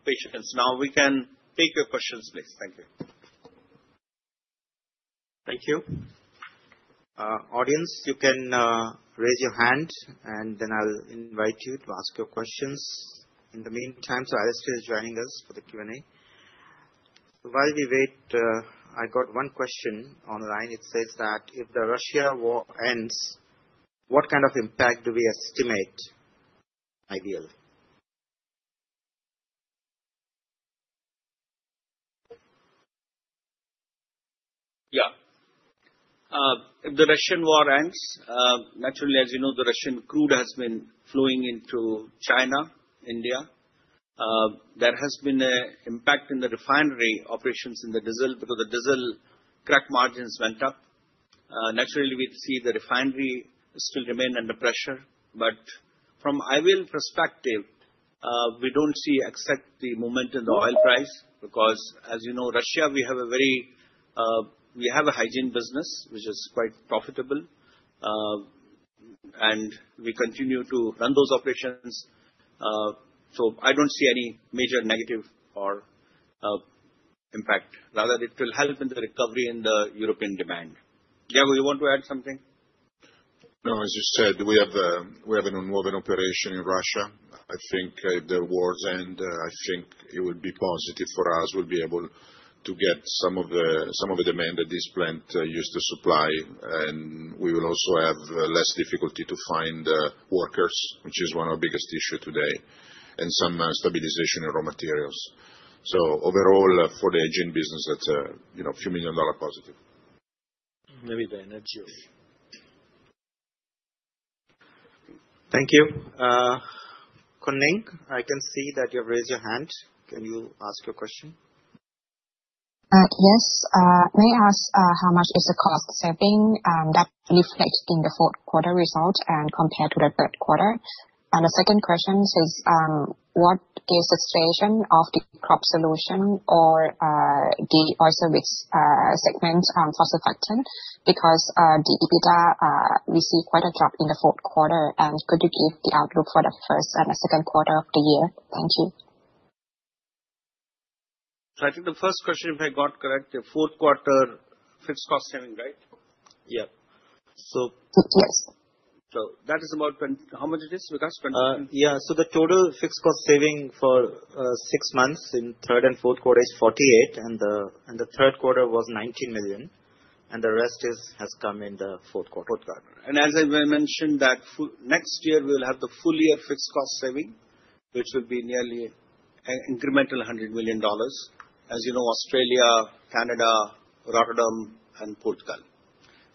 patience. Now, we can take your questions, please. Thank you.
Thank you. Audience, you can raise your hand, and then I'll invite you to ask your questions in the meantime. So Alastair is joining us for the Q&A. While we wait, I got one question online. It says that if the Russian war ends, what kind of impact do we estimate for IVL?
Yeah. If the Russian war ends, naturally, as you know, the Russian crude has been flowing into China, India. There has been an impact in the refinery operations in the diesel because the diesel crack margins went up. Naturally, we see the refinery still remains under pressure. But from IVL perspective, we don't see exact movement in the oil price because, as you know, Russia, we have a hygiene business, which is quite profitable, and we continue to run those operations. So I don't see any major negative impact. Rather, it will help in the recovery in the European demand. Yeah, we want to add something.
No, as you said, we have a nonwoven operation in Russia. I think if the wars end, I think it would be positive for us. We'll be able to get some of the demand that this plant used to supply, and we will also have less difficulty to find workers, which is one of the biggest issues today, and some stabilization in raw materials. So overall, for the hygiene business, that's $a few million positive. Maybe the energy.
Thank you. Khun Ning, I can see that you've raised your hand. Can you ask your question? Yes. May I ask how much is the cost saving that reflects in the fourth quarter result and compared to the third quarter? And the second question says, what is the situation of the crop solution or the Indovinya segment surfactants? Because the EBITDA, we see quite a drop in the fourth quarter. Could you give the outlook for the first and the second quarter of the year? Thank you.
I think the first question, if I got correct, the fourth quarter fixed cost saving, right? Yeah. So Yes. So that is about how much it is? Because 20.
Yeah. So the total fixed cost saving for six months in third and fourth quarter is $48 million, and the third quarter was $19 million. And the rest has come in the fourth quarter.
And as I mentioned, next year, we'll have the full year fixed cost saving, which will be nearly incremental $100 million, as you know, Australia, Canada, Rotterdam, and Port Klang.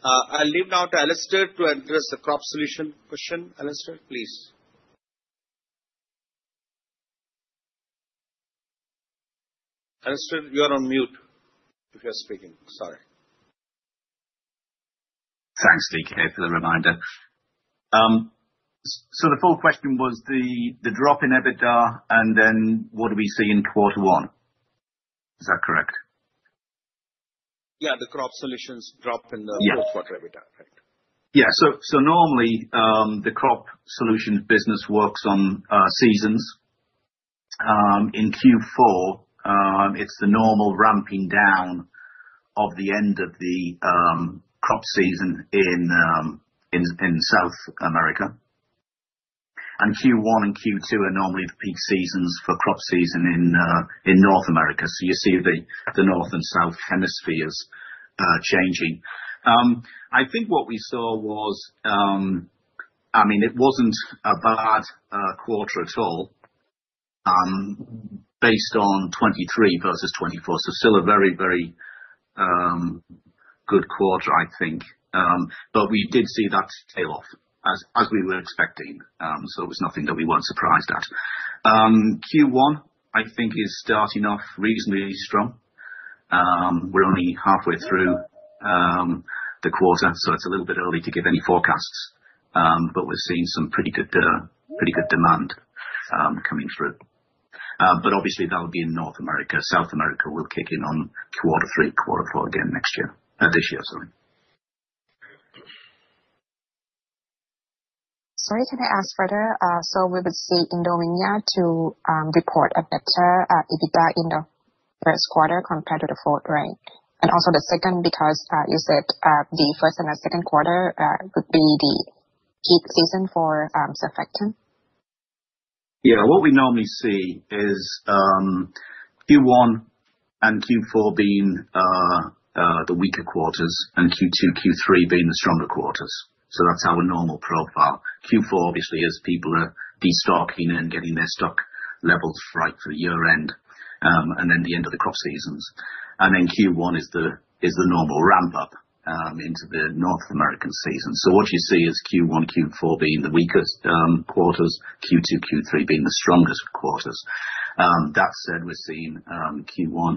I'll leave now to Alastair to address the crop solution question. Alastair, please. Alastair, you're on mute if you're speaking. Sorry.
Thanks, DK, for the reminder. So the full question was the drop in EBITDA and then what do we see in quarter one? Is that correct? Yeah, the crop solutions drop in the fourth quarter EBITDA, right? Yeah. So normally, the crop solution business works on seasons. In Q4, it's the normal ramping down of the end of the crop season in South America. And Q1 and Q2 are normally the peak seasons for crop season in North America. So you see the north and south hemispheres changing. I think what we saw was, I mean, it wasn't a bad quarter at all based on 2023 versus 2024. So still a very, very good quarter, I think. But we did see that tail off as we were expecting. So it was nothing that we weren't surprised at. Q1, I think, is starting off reasonably strong. We're only halfway through the quarter, so it's a little bit early to give any forecasts. But we're seeing some pretty good demand coming through. But obviously, that will be in North America. South America will kick in on quarter three, quarter four again next year. This year, sorry. Sorry, can I ask further? So we would see Indorama to report a better EBITDA in the first quarter compared to the fourth, right? And also the second, because you said the first and the second quarter could be the peak season for surfactant. Yeah. What we normally see is Q1 and Q4 being the weaker quarters and Q2, Q3 being the stronger quarters. So that's our normal profile. Q4, obviously, as people are destocking and getting their stock levels right for the year-end and then the end of the crop seasons. And then Q1 is the normal ramp-up into the North American season. So what you see is Q1, Q4 being the weakest quarters, Q2, Q3 being the strongest quarters. That said, we're seeing Q1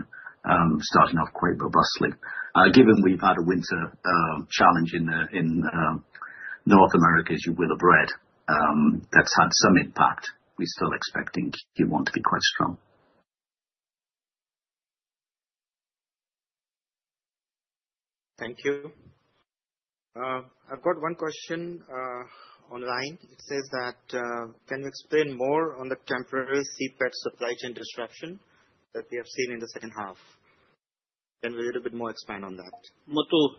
starting off quite robustly. Given we've had a winter challenge in North America, as you will have read, that's had some impact, we're still expecting Q1 to be quite strong.
Thank you. I've got one question online. It says, can you explain more on the temporary CPET supply chain disruption that we have seen in the second half? Can we a little bit more expand on that?
Muthu,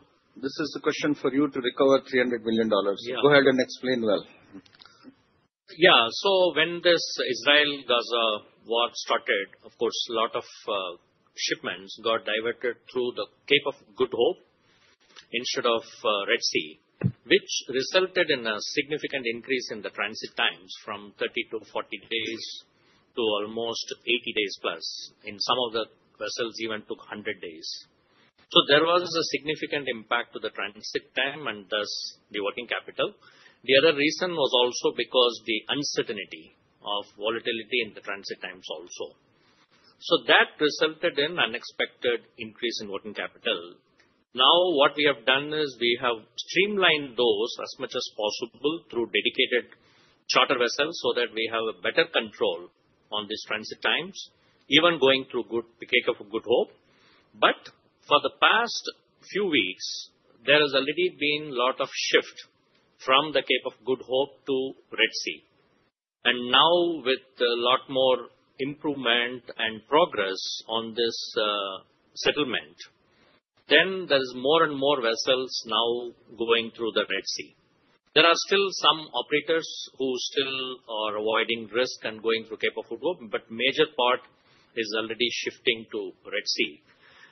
this is a question for you to recover $300 million. Go ahead and explain well. Yeah.
So when this Israel-Gaza war started, of course, a lot of shipments got diverted through the Cape of Good Hope instead of Red Sea, which resulted in a significant increase in the transit times from 30-40 days to almost 80 days plus. In some of the vessels, even took 100 days. So there was a significant impact to the transit time and thus the working capital. The other reason was also because of the uncertainty of volatility in the transit times also. So that resulted in an unexpected increase in working capital. Now, what we have done is we have streamlined those as much as possible through dedicated charter vessels so that we have better control on these transit times, even going through the Cape of Good Hope. But for the past few weeks, there has already been a lot of shift from the Cape of Good Hope to Red Sea, and now, with a lot more improvement and progress on this settlement, then there are more and more vessels now going through the Red Sea. There are still some operators who still are avoiding risk and going through the Cape of Good Hope, but a major part is already shifting to Red Sea,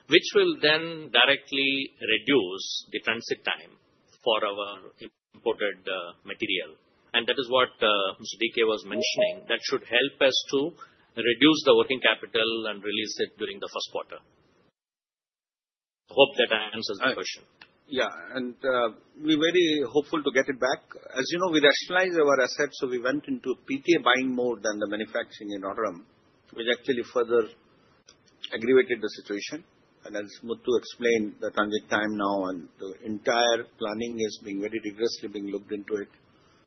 which will then directly reduce the transit time for our imported material, and that is what Mr. DK was mentioning. That should help us to reduce the working capital and release it during the first quarter. I hope that I answered the question.
Yeah, and we're very hopeful to get it back. As you know, we rationalized our assets, so we went into PTA buying more than the manufacturing in Rotterdam, which actually further aggravated the situation, and as Muthu explained, the transit time now and the entire planning is being very rigorously looked into it.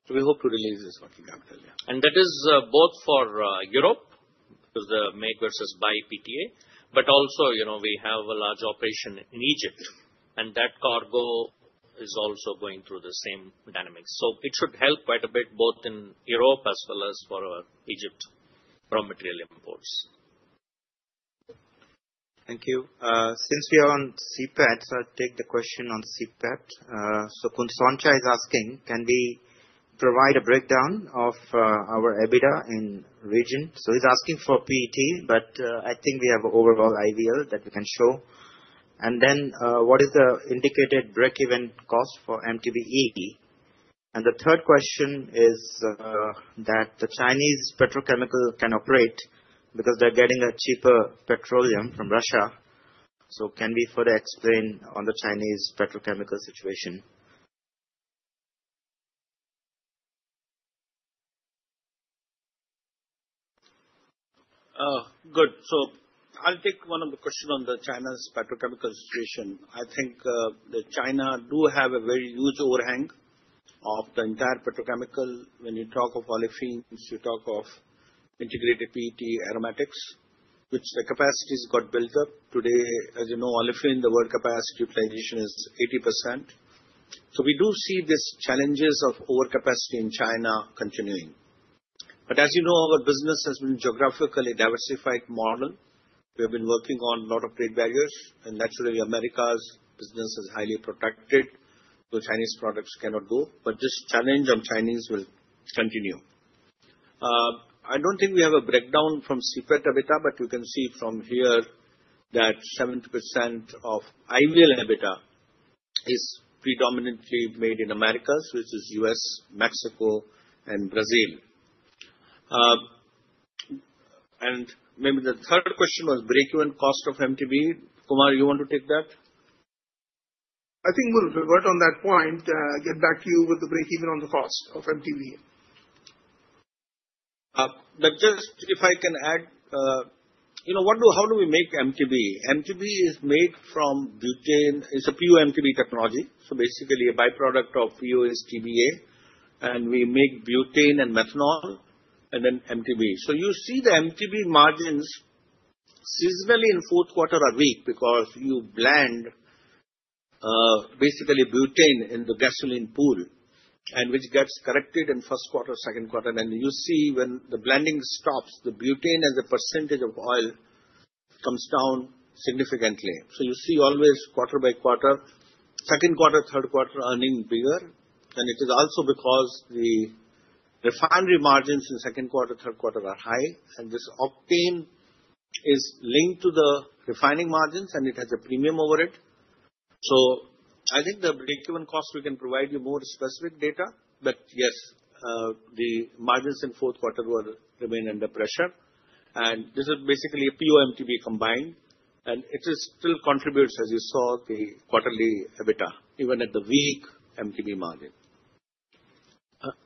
So we hope to release this working capital, yeah.
And that is both for Europe because the make versus buy PTA, but also we have a large operation in Egypt, and that cargo is also going through the same dynamics, so it should help quite a bit both in Europe as well as for our Egypt raw material imports.
Thank you. Since we are on CPET, I'll take the question on CPET. So Khun Sornchai is asking, can we provide a breakdown of our EBITDA in region? So he's asking for PET, but I think we have overall IVL that we can show. And then what is the indicated break-even cost for MTBE? And the third question is that the Chinese petrochemical can operate because they're getting a cheaper petroleum from Russia. So can we further explain on the Chinese petrochemical situation?
Good. So I'll take one of the questions on China's petrochemical situation. I think China does have a very huge overhang of the entire petrochemical. When you talk of olefins, you talk of integrated PET aromatics, which the capacity has got built up. Today, as you know, olefins the world capacity utilization is 80%. So we do see these challenges of overcapacity in China continuing. But as you know, our business has been a geographically diversified model. We have been working on a lot of trade barriers, and naturally, America's business is highly protected, so Chinese products cannot go. But this challenge on Chinese will continue. I don't think we have a breakdown from CPET EBITDA, but you can see from here that 70% of IVL EBITDA is predominantly made in Americas, which is U.S., Mexico, and Brazil, and maybe the third question was break-even cost of MTBE. Kumar, you want to take that? I think we'll revert on that point. I'll get back to you with the break-even on the cost of MTBE, but just if I can add, how do we make MTBE? MTBE is made from butane. It's a pure MTBE technology, so basically a byproduct of PO-TBA, and we make butane and methanol and then MTBE, so you see the MTBE margins seasonally in fourth quarter are weak because you blend basically butane in the gasoline pool, which gets corrected in first quarter, second quarter, and you see when the blending stops, the butane and the percentage of oil comes down significantly. So you see, always quarter by quarter, second quarter, third quarter earning bigger. It is also because the refinery margins in second quarter, third quarter are high, and this octane is linked to the refining margins, and it has a premium over it. I think the break-even cost, we can provide you more specific data, but yes, the margins in fourth quarter remain under pressure. This is basically a pure MTBE combined, and it still contributes, as you saw, the quarterly EBITDA, even at the weak MTBE margin.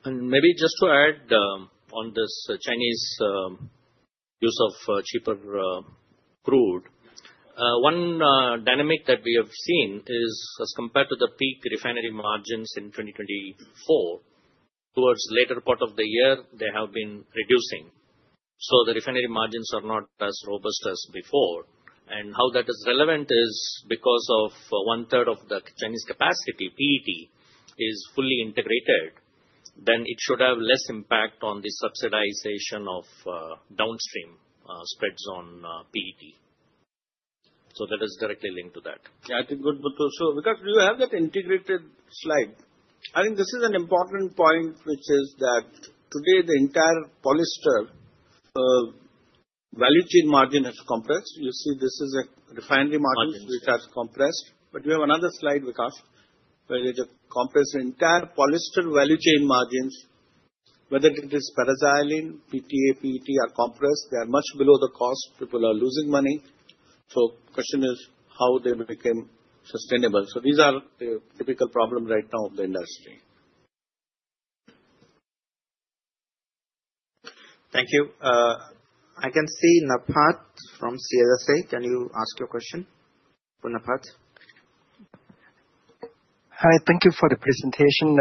Maybe just to add on this Chinese use of cheaper crude, one dynamic that we have seen is as compared to the peak refinery margins in 2024, towards later part of the year, they have been reducing. The refinery margins are not as robust as before. And how that is relevant is because one-third of the Chinese capacity, PET, is fully integrated, then it should have less impact on the subsidization of downstream spreads on PET. So that is directly linked to that.
Yeah, I think good, Muthu. So Vikash, do you have that integrated slide? I think this is an important point, which is that today the entire polyester value chain margin has compressed. You see this is a refinery margin which has compressed. But you have another slide, Vikash, where they just compress the entire polyester value chain margins. Whether it is paraxylene, PTA, PET, or compressed, they are much below the cost. People are losing money. So the question is how they became sustainable. So these are the typical problems right now of the industry.
Thank you. I can see Naphat from CLSA. Can you ask your question for Naphat? Hi.
Thank you for the presentation.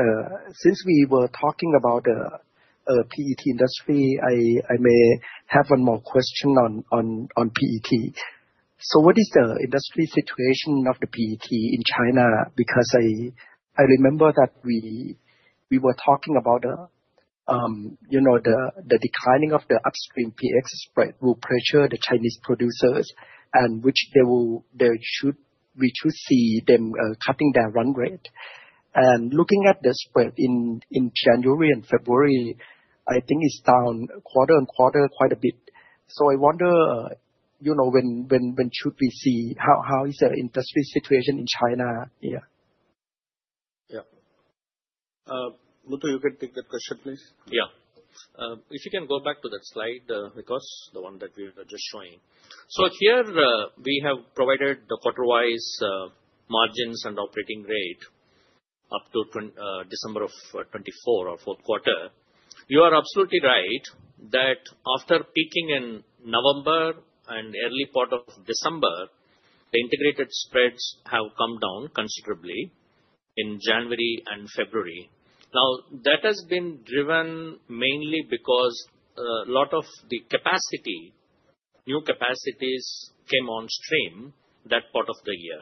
Since we were talking about the PET industry, I may have one more question on PET. So what is the industry situation of the PET in China? Because I remember that we were talking about the declining of the upstream PX spread will pressure the Chinese producers, and which they should see them cutting their run rate. And looking at the spread in January and February, I think it's down quarter on quarter quite a bit. So I wonder when should we see how is the industry situation in China? Yeah.
Yeah. Muthu, you can take that question, please.
Yeah. If you can go back to that slide, Vikash, the one that we were just showing. So here we have provided the quarter-wise margins and operating rate up to December of 2024 or fourth quarter. You are absolutely right that after peaking in November and early part of December, the integrated spreads have come down considerably in January and February. Now, that has been driven mainly because a lot of the new capacities came on stream that part of the year.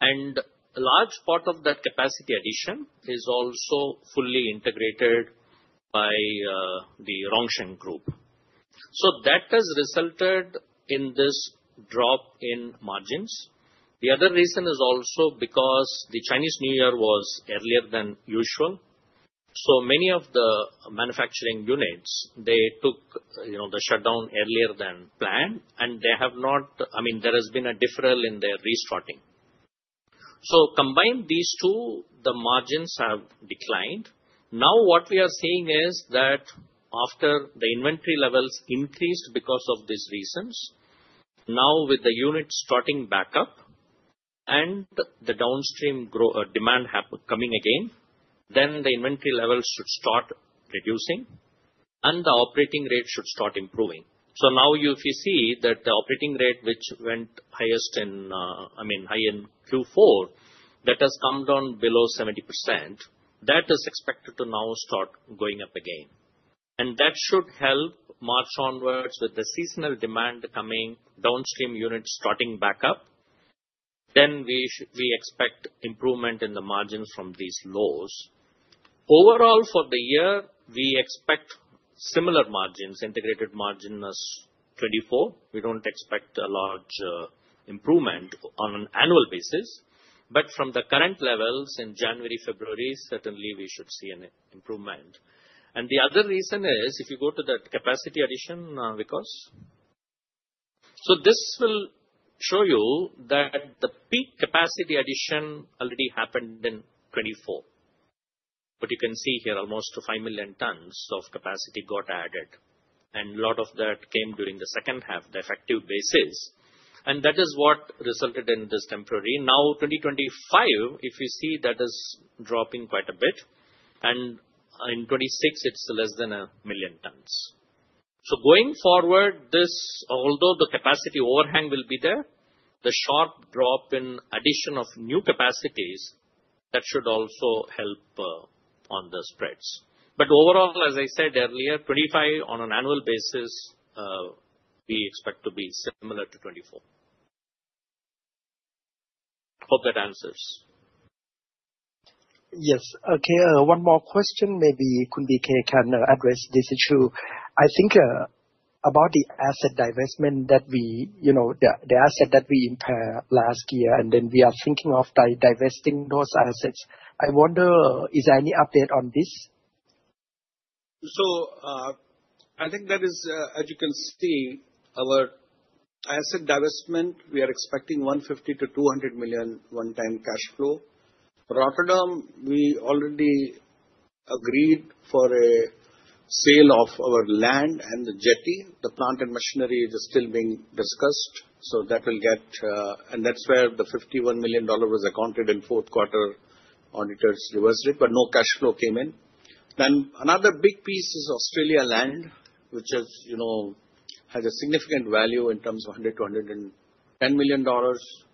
And a large part of that capacity addition is also fully integrated by the Rongsheng Group. So that has resulted in this drop in margins. The other reason is also because the Chinese New Year was earlier than usual. So many of the manufacturing units, they took the shutdown earlier than planned, and they have not, I mean, there has been a deferral in their restarting. So, combined these two, the margins have declined. Now, what we are seeing is that after the inventory levels increased because of these reasons, now with the unit starting back up and the downstream demand coming again, then the inventory levels should start reducing, and the operating rate should start improving. So now you see that the operating rate, which went highest in, I mean, high in Q4, that has come down below 70%. That is expected to now start going up again. And that should help March onwards with the seasonal demand coming, downstream units starting back up. Then we expect improvement in the margins from these lows. Overall, for the year, we expect similar margins, integrated margin as 2024. We don't expect a large improvement on an annual basis. But from the current levels in January, February, certainly we should see an improvement. And the other reason is if you go to that capacity addition, Vikash. So this will show you that the peak capacity addition already happened in 2024. But you can see here almost 5 million tons of capacity got added. And a lot of that came during the second half, the effective basis. And that is what resulted in this temporary. Now, 2025, if you see, that is dropping quite a bit. And in 2026, it's less than a million tons. So going forward, although the capacity overhang will be there, the sharp drop in addition of new capacities, that should also help on the spreads. But overall, as I said earlier, 2025 on an annual basis, we expect to be similar to 2024. Hope that answers.
Yes. Okay. One more question maybe Khun DK can address this issue. I think about the asset divestment that we, the asset that we divested last year, and then we are thinking of divesting those assets. I wonder, is there any update on this?
So I think that is, as you can see, our asset divestment. We are expecting $150-$200 million one-time cash flow. Rotterdam, we already agreed for a sale of our land and the jetty. The plant and machinery is still being discussed. So that will get, and that's where the $51 million was accounted in fourth quarter auditor's reversal, but no cash flow came in. Then another big piece is Australia land, which has a significant value in terms of $100-$110 million.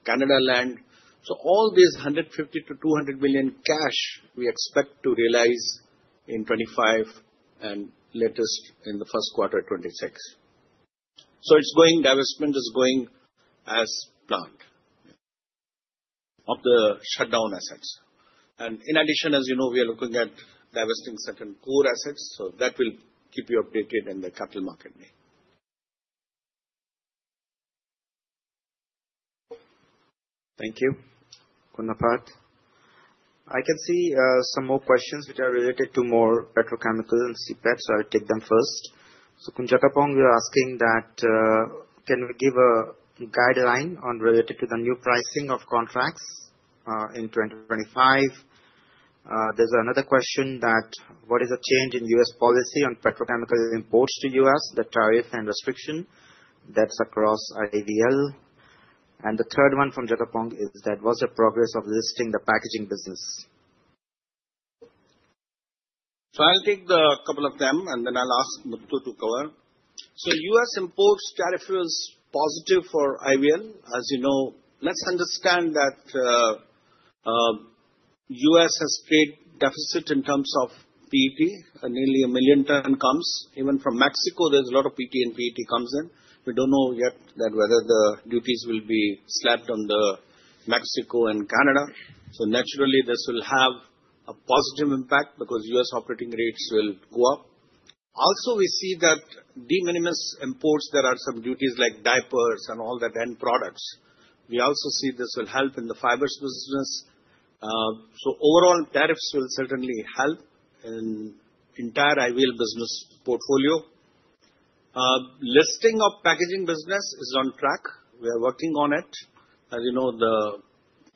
Canada land. So all these $150-$200 million cash, we expect to realize in 2025 and latest in the first quarter of 2026. So it's going, divestment is going as planned of the shutdown assets. And in addition, as you know, we are looking at divesting certain core assets. So that will keep you updated in the capital market.
Thank you, Khun Naphat. I can see some more questions which are related to more petrochemicals and CPET, so I'll take them first. So Khun Jakapong, you're asking that can we give a guideline related to the new pricing of contracts in 2025? There's another question that what is the change in U.S. policy on petrochemical imports to U.S., the tariff and restriction that's across IVL? And the third one from Jakapong is that what's the progress of listing the Packaging business?
So I'll take a couple of them, and then I'll ask Muthu to cover. So U.S. imports tariff was positive for IVL. As you know, let's understand that U.S. has trade deficit in terms of PET, nearly 1 million ton comes. Even from Mexico, there's a lot of PET and PET comes in. We don't know yet whether the duties will be slapped on Mexico and Canada. So naturally, this will have a positive impact because U.S. operating rates will go up. Also, we see that de minimis imports, there are some duties like diapers and all that end products. We also see this will help in the fiber business. So overall, tariffs will certainly help in the entire IVL business portfolio. Listing of Packaging business is on track. We are working on it. As you know, the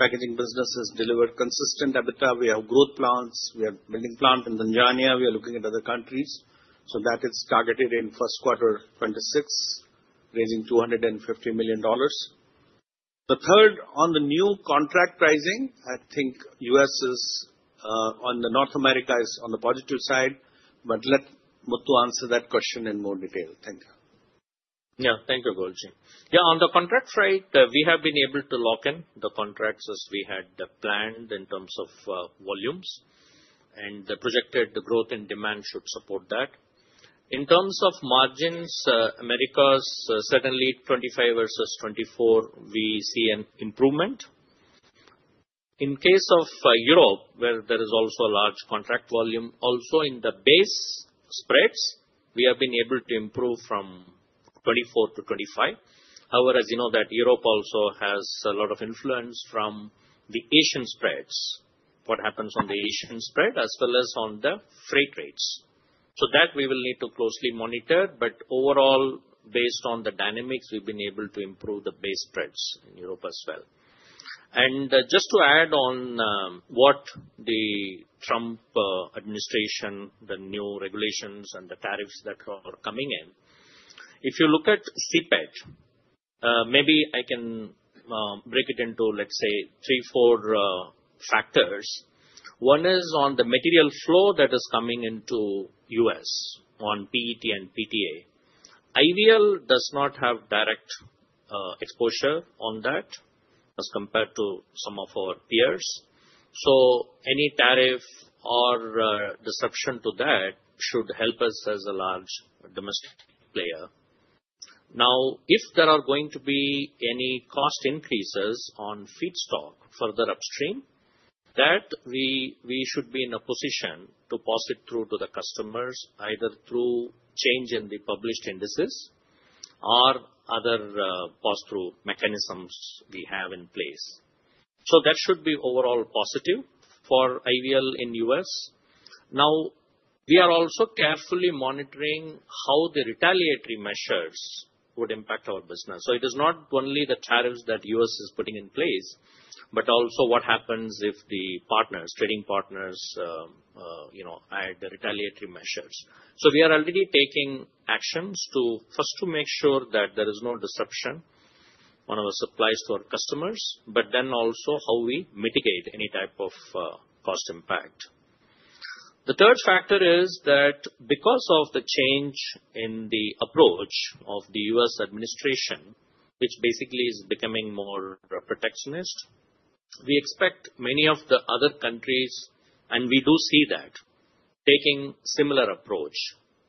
Packaging business has delivered consistent EBITDA. We have growth plans. We have a building plant in Tanzania. We are looking at other countries. So that is targeted in first quarter 2026, raising $250 million. The third, on the new contract pricing, I think U.S. is on the North America is on the positive side. But let Muthu answer that question in more detail.
Thank you. Yeah. Thank you. Yeah. On the contract rate, we have been able to lock in the contracts as we had planned in terms of volumes. And the projected growth in demand should support that. In terms of margins, America is certainly 2025 versus 2024, we see an improvement. In case of Europe, where there is also a large contract volume, also in the base spreads, we have been able to improve from 2024-2025. However, as you know, that Europe also has a lot of influence from the Asian spreads, what happens on the Asian spread as well as on the freight rates. So that we will need to closely monitor. But overall, based on the dynamics, we've been able to improve the base spreads in Europe as well. Just to add on what the Trump administration, the new regulations and the tariffs that are coming in, if you look at CPET, maybe I can break it into, let's say, three, four factors. One is on the material flow that is coming into U.S. on PET and PTA. IVL does not have direct exposure on that as compared to some of our peers. So any tariff or disruption to that should help us as a large domestic player. Now, if there are going to be any cost increases on feedstock further upstream, that we should be in a position to pass it through to the customers, either through change in the published indices or other pass-through mechanisms we have in place. So that should be overall positive for IVL in U.S.. Now, we are also carefully monitoring how the retaliatory measures would impact our business. It is not only the tariffs that U.S. is putting in place, but also what happens if the trading partners add the retaliatory measures. We are already taking actions to first make sure that there is no disruption on our supplies to our customers, but then also how we mitigate any type of cost impact. The third factor is that because of the change in the approach of the U.S. administration, which basically is becoming more protectionist, we expect many of the other countries, and we do see that, taking similar approach,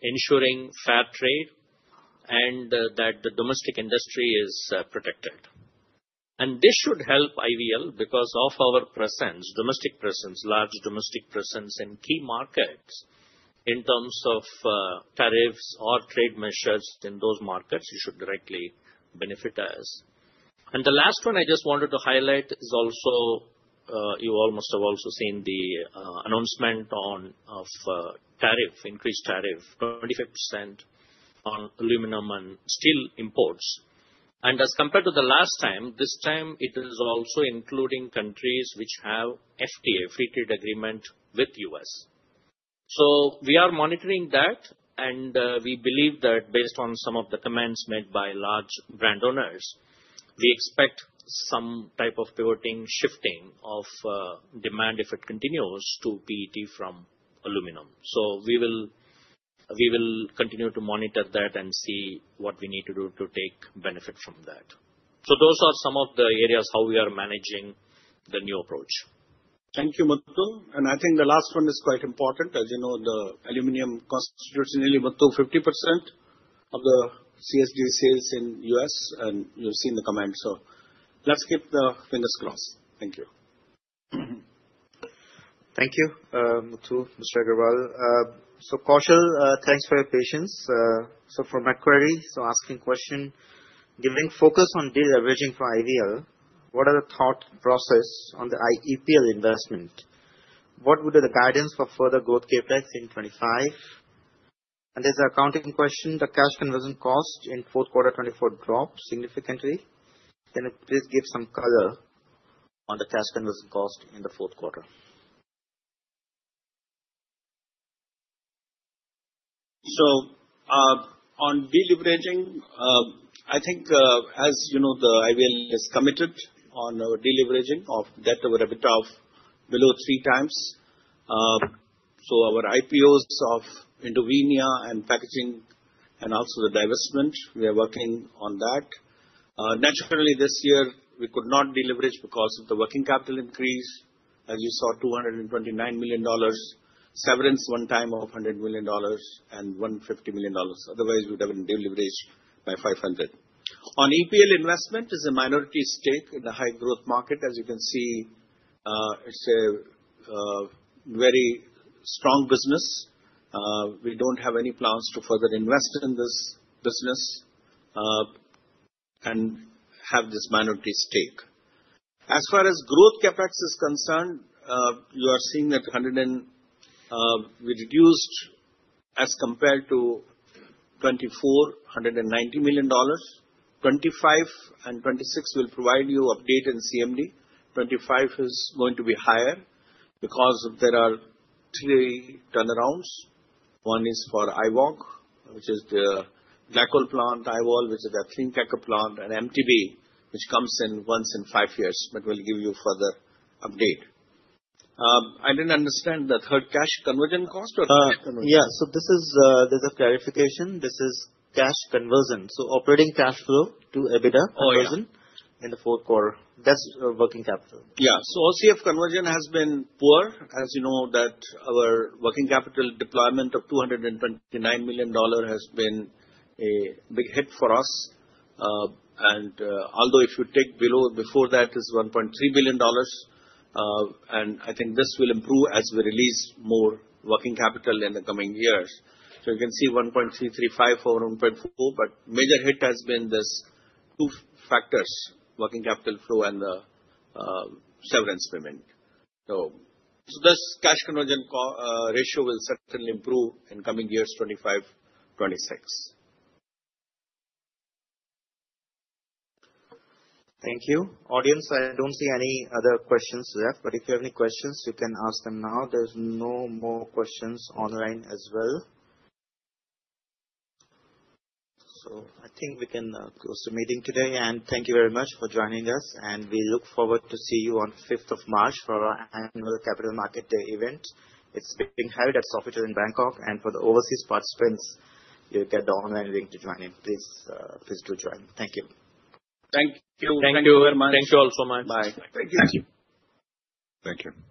ensuring fair trade and that the domestic industry is protected. This should help IVL because of our presence, domestic presence, large domestic presence in key markets in terms of tariffs or trade measures in those markets. It should directly benefit us. The last one I just wanted to highlight is also you almost have also seen the announcement of increased tariff, 25% on aluminum and steel imports. As compared to the last time, this time it is also including countries which have FTA, Free Trade Agreement with U.S. So we are monitoring that. We believe that based on some of the comments made by large brand owners, we expect some type of pivoting, shifting of demand if it continues to PET from aluminum. We will continue to monitor that and see what we need to do to take benefit from that. Those are some of the areas how we are managing the new approach.
Thank you, Muthu. I think the last one is quite important. As you know, the aluminum costs traditionally were 50% of the CSD sales in U.S., and you've seen the comment. Let's keep the fingers crossed. Thank you.
Thank you, Muthu, Mr. Agarwal. Kaushal, thanks for your patience. For Macquarie, asking question, giving focus on de-leveraging for IVL, what are the thought process on the EPL investment? What would be the guidance for further growth CapEx in 2025? And there's an accounting question. The cash conversion cost in fourth quarter 2024 dropped significantly. Can you please give some color on the cash conversion cost in the fourth quarter?
On de-leveraging, I think as you know, the IVL is committed on de-leveraging of debt over EBITDA of below three times. Our IPOs of Indovinya and Packaging and also the divestment, we are working on that. Naturally, this year, we could not de-leverage because of the working capital increase, as you saw, $229 million, severance one time of $100 million, and $150 million. Otherwise, we would have been de-leveraged by $500. On EPL investment, it is a minority stake in a high-growth market. As you can see, it's a very strong business. We don't have any plans to further invest in this business and have this minority stake. As far as growth CapEx is concerned, you are seeing that we reduced as compared to 2024, $190 million. 2025 and 2026, we'll provide you update in CMD. 2025 is going to be higher because there are three turnarounds. One is for IVOG, which is the glycol plant, IVOL, which is a Clear Lake plant, and MTBE, which comes in once in five years, but we'll give you further update. I didn't understand the third cash conversion cost or cash conversion?
Yeah. So this is a clarification. This is cash conversion. So operating cash flow to EBITDA conversion in the fourth quarter. That's working capital.
Yeah. So OCF conversion has been poor. As you know, that our working capital deployment of $229 million has been a big hit for us. And although if you take below, before that is $1.3 billion. And I think this will improve as we release more working capital in the coming years. So you can see 1.335 for 1.4, but major hit has been these two factors, working capital flow and the severance payment. So this cash conversion ratio will certainly improve in coming years, 2025, 2026.
Thank you. Audience, I don't see any other questions left, but if you have any questions, you can ask them now. There's no more questions online as well. So I think we can close the meeting today. And thank you very much for joining us. And we look forward to see you on 5th of March for our annual Capital Market Day event. It's being held at Sofitel in Bangkok. For the overseas participants, you get the online link to join in. Please do join. Thank you.
Thank you. Thank you very much. Thank you all so much. Bye. Thank you. Thank you. Thank you.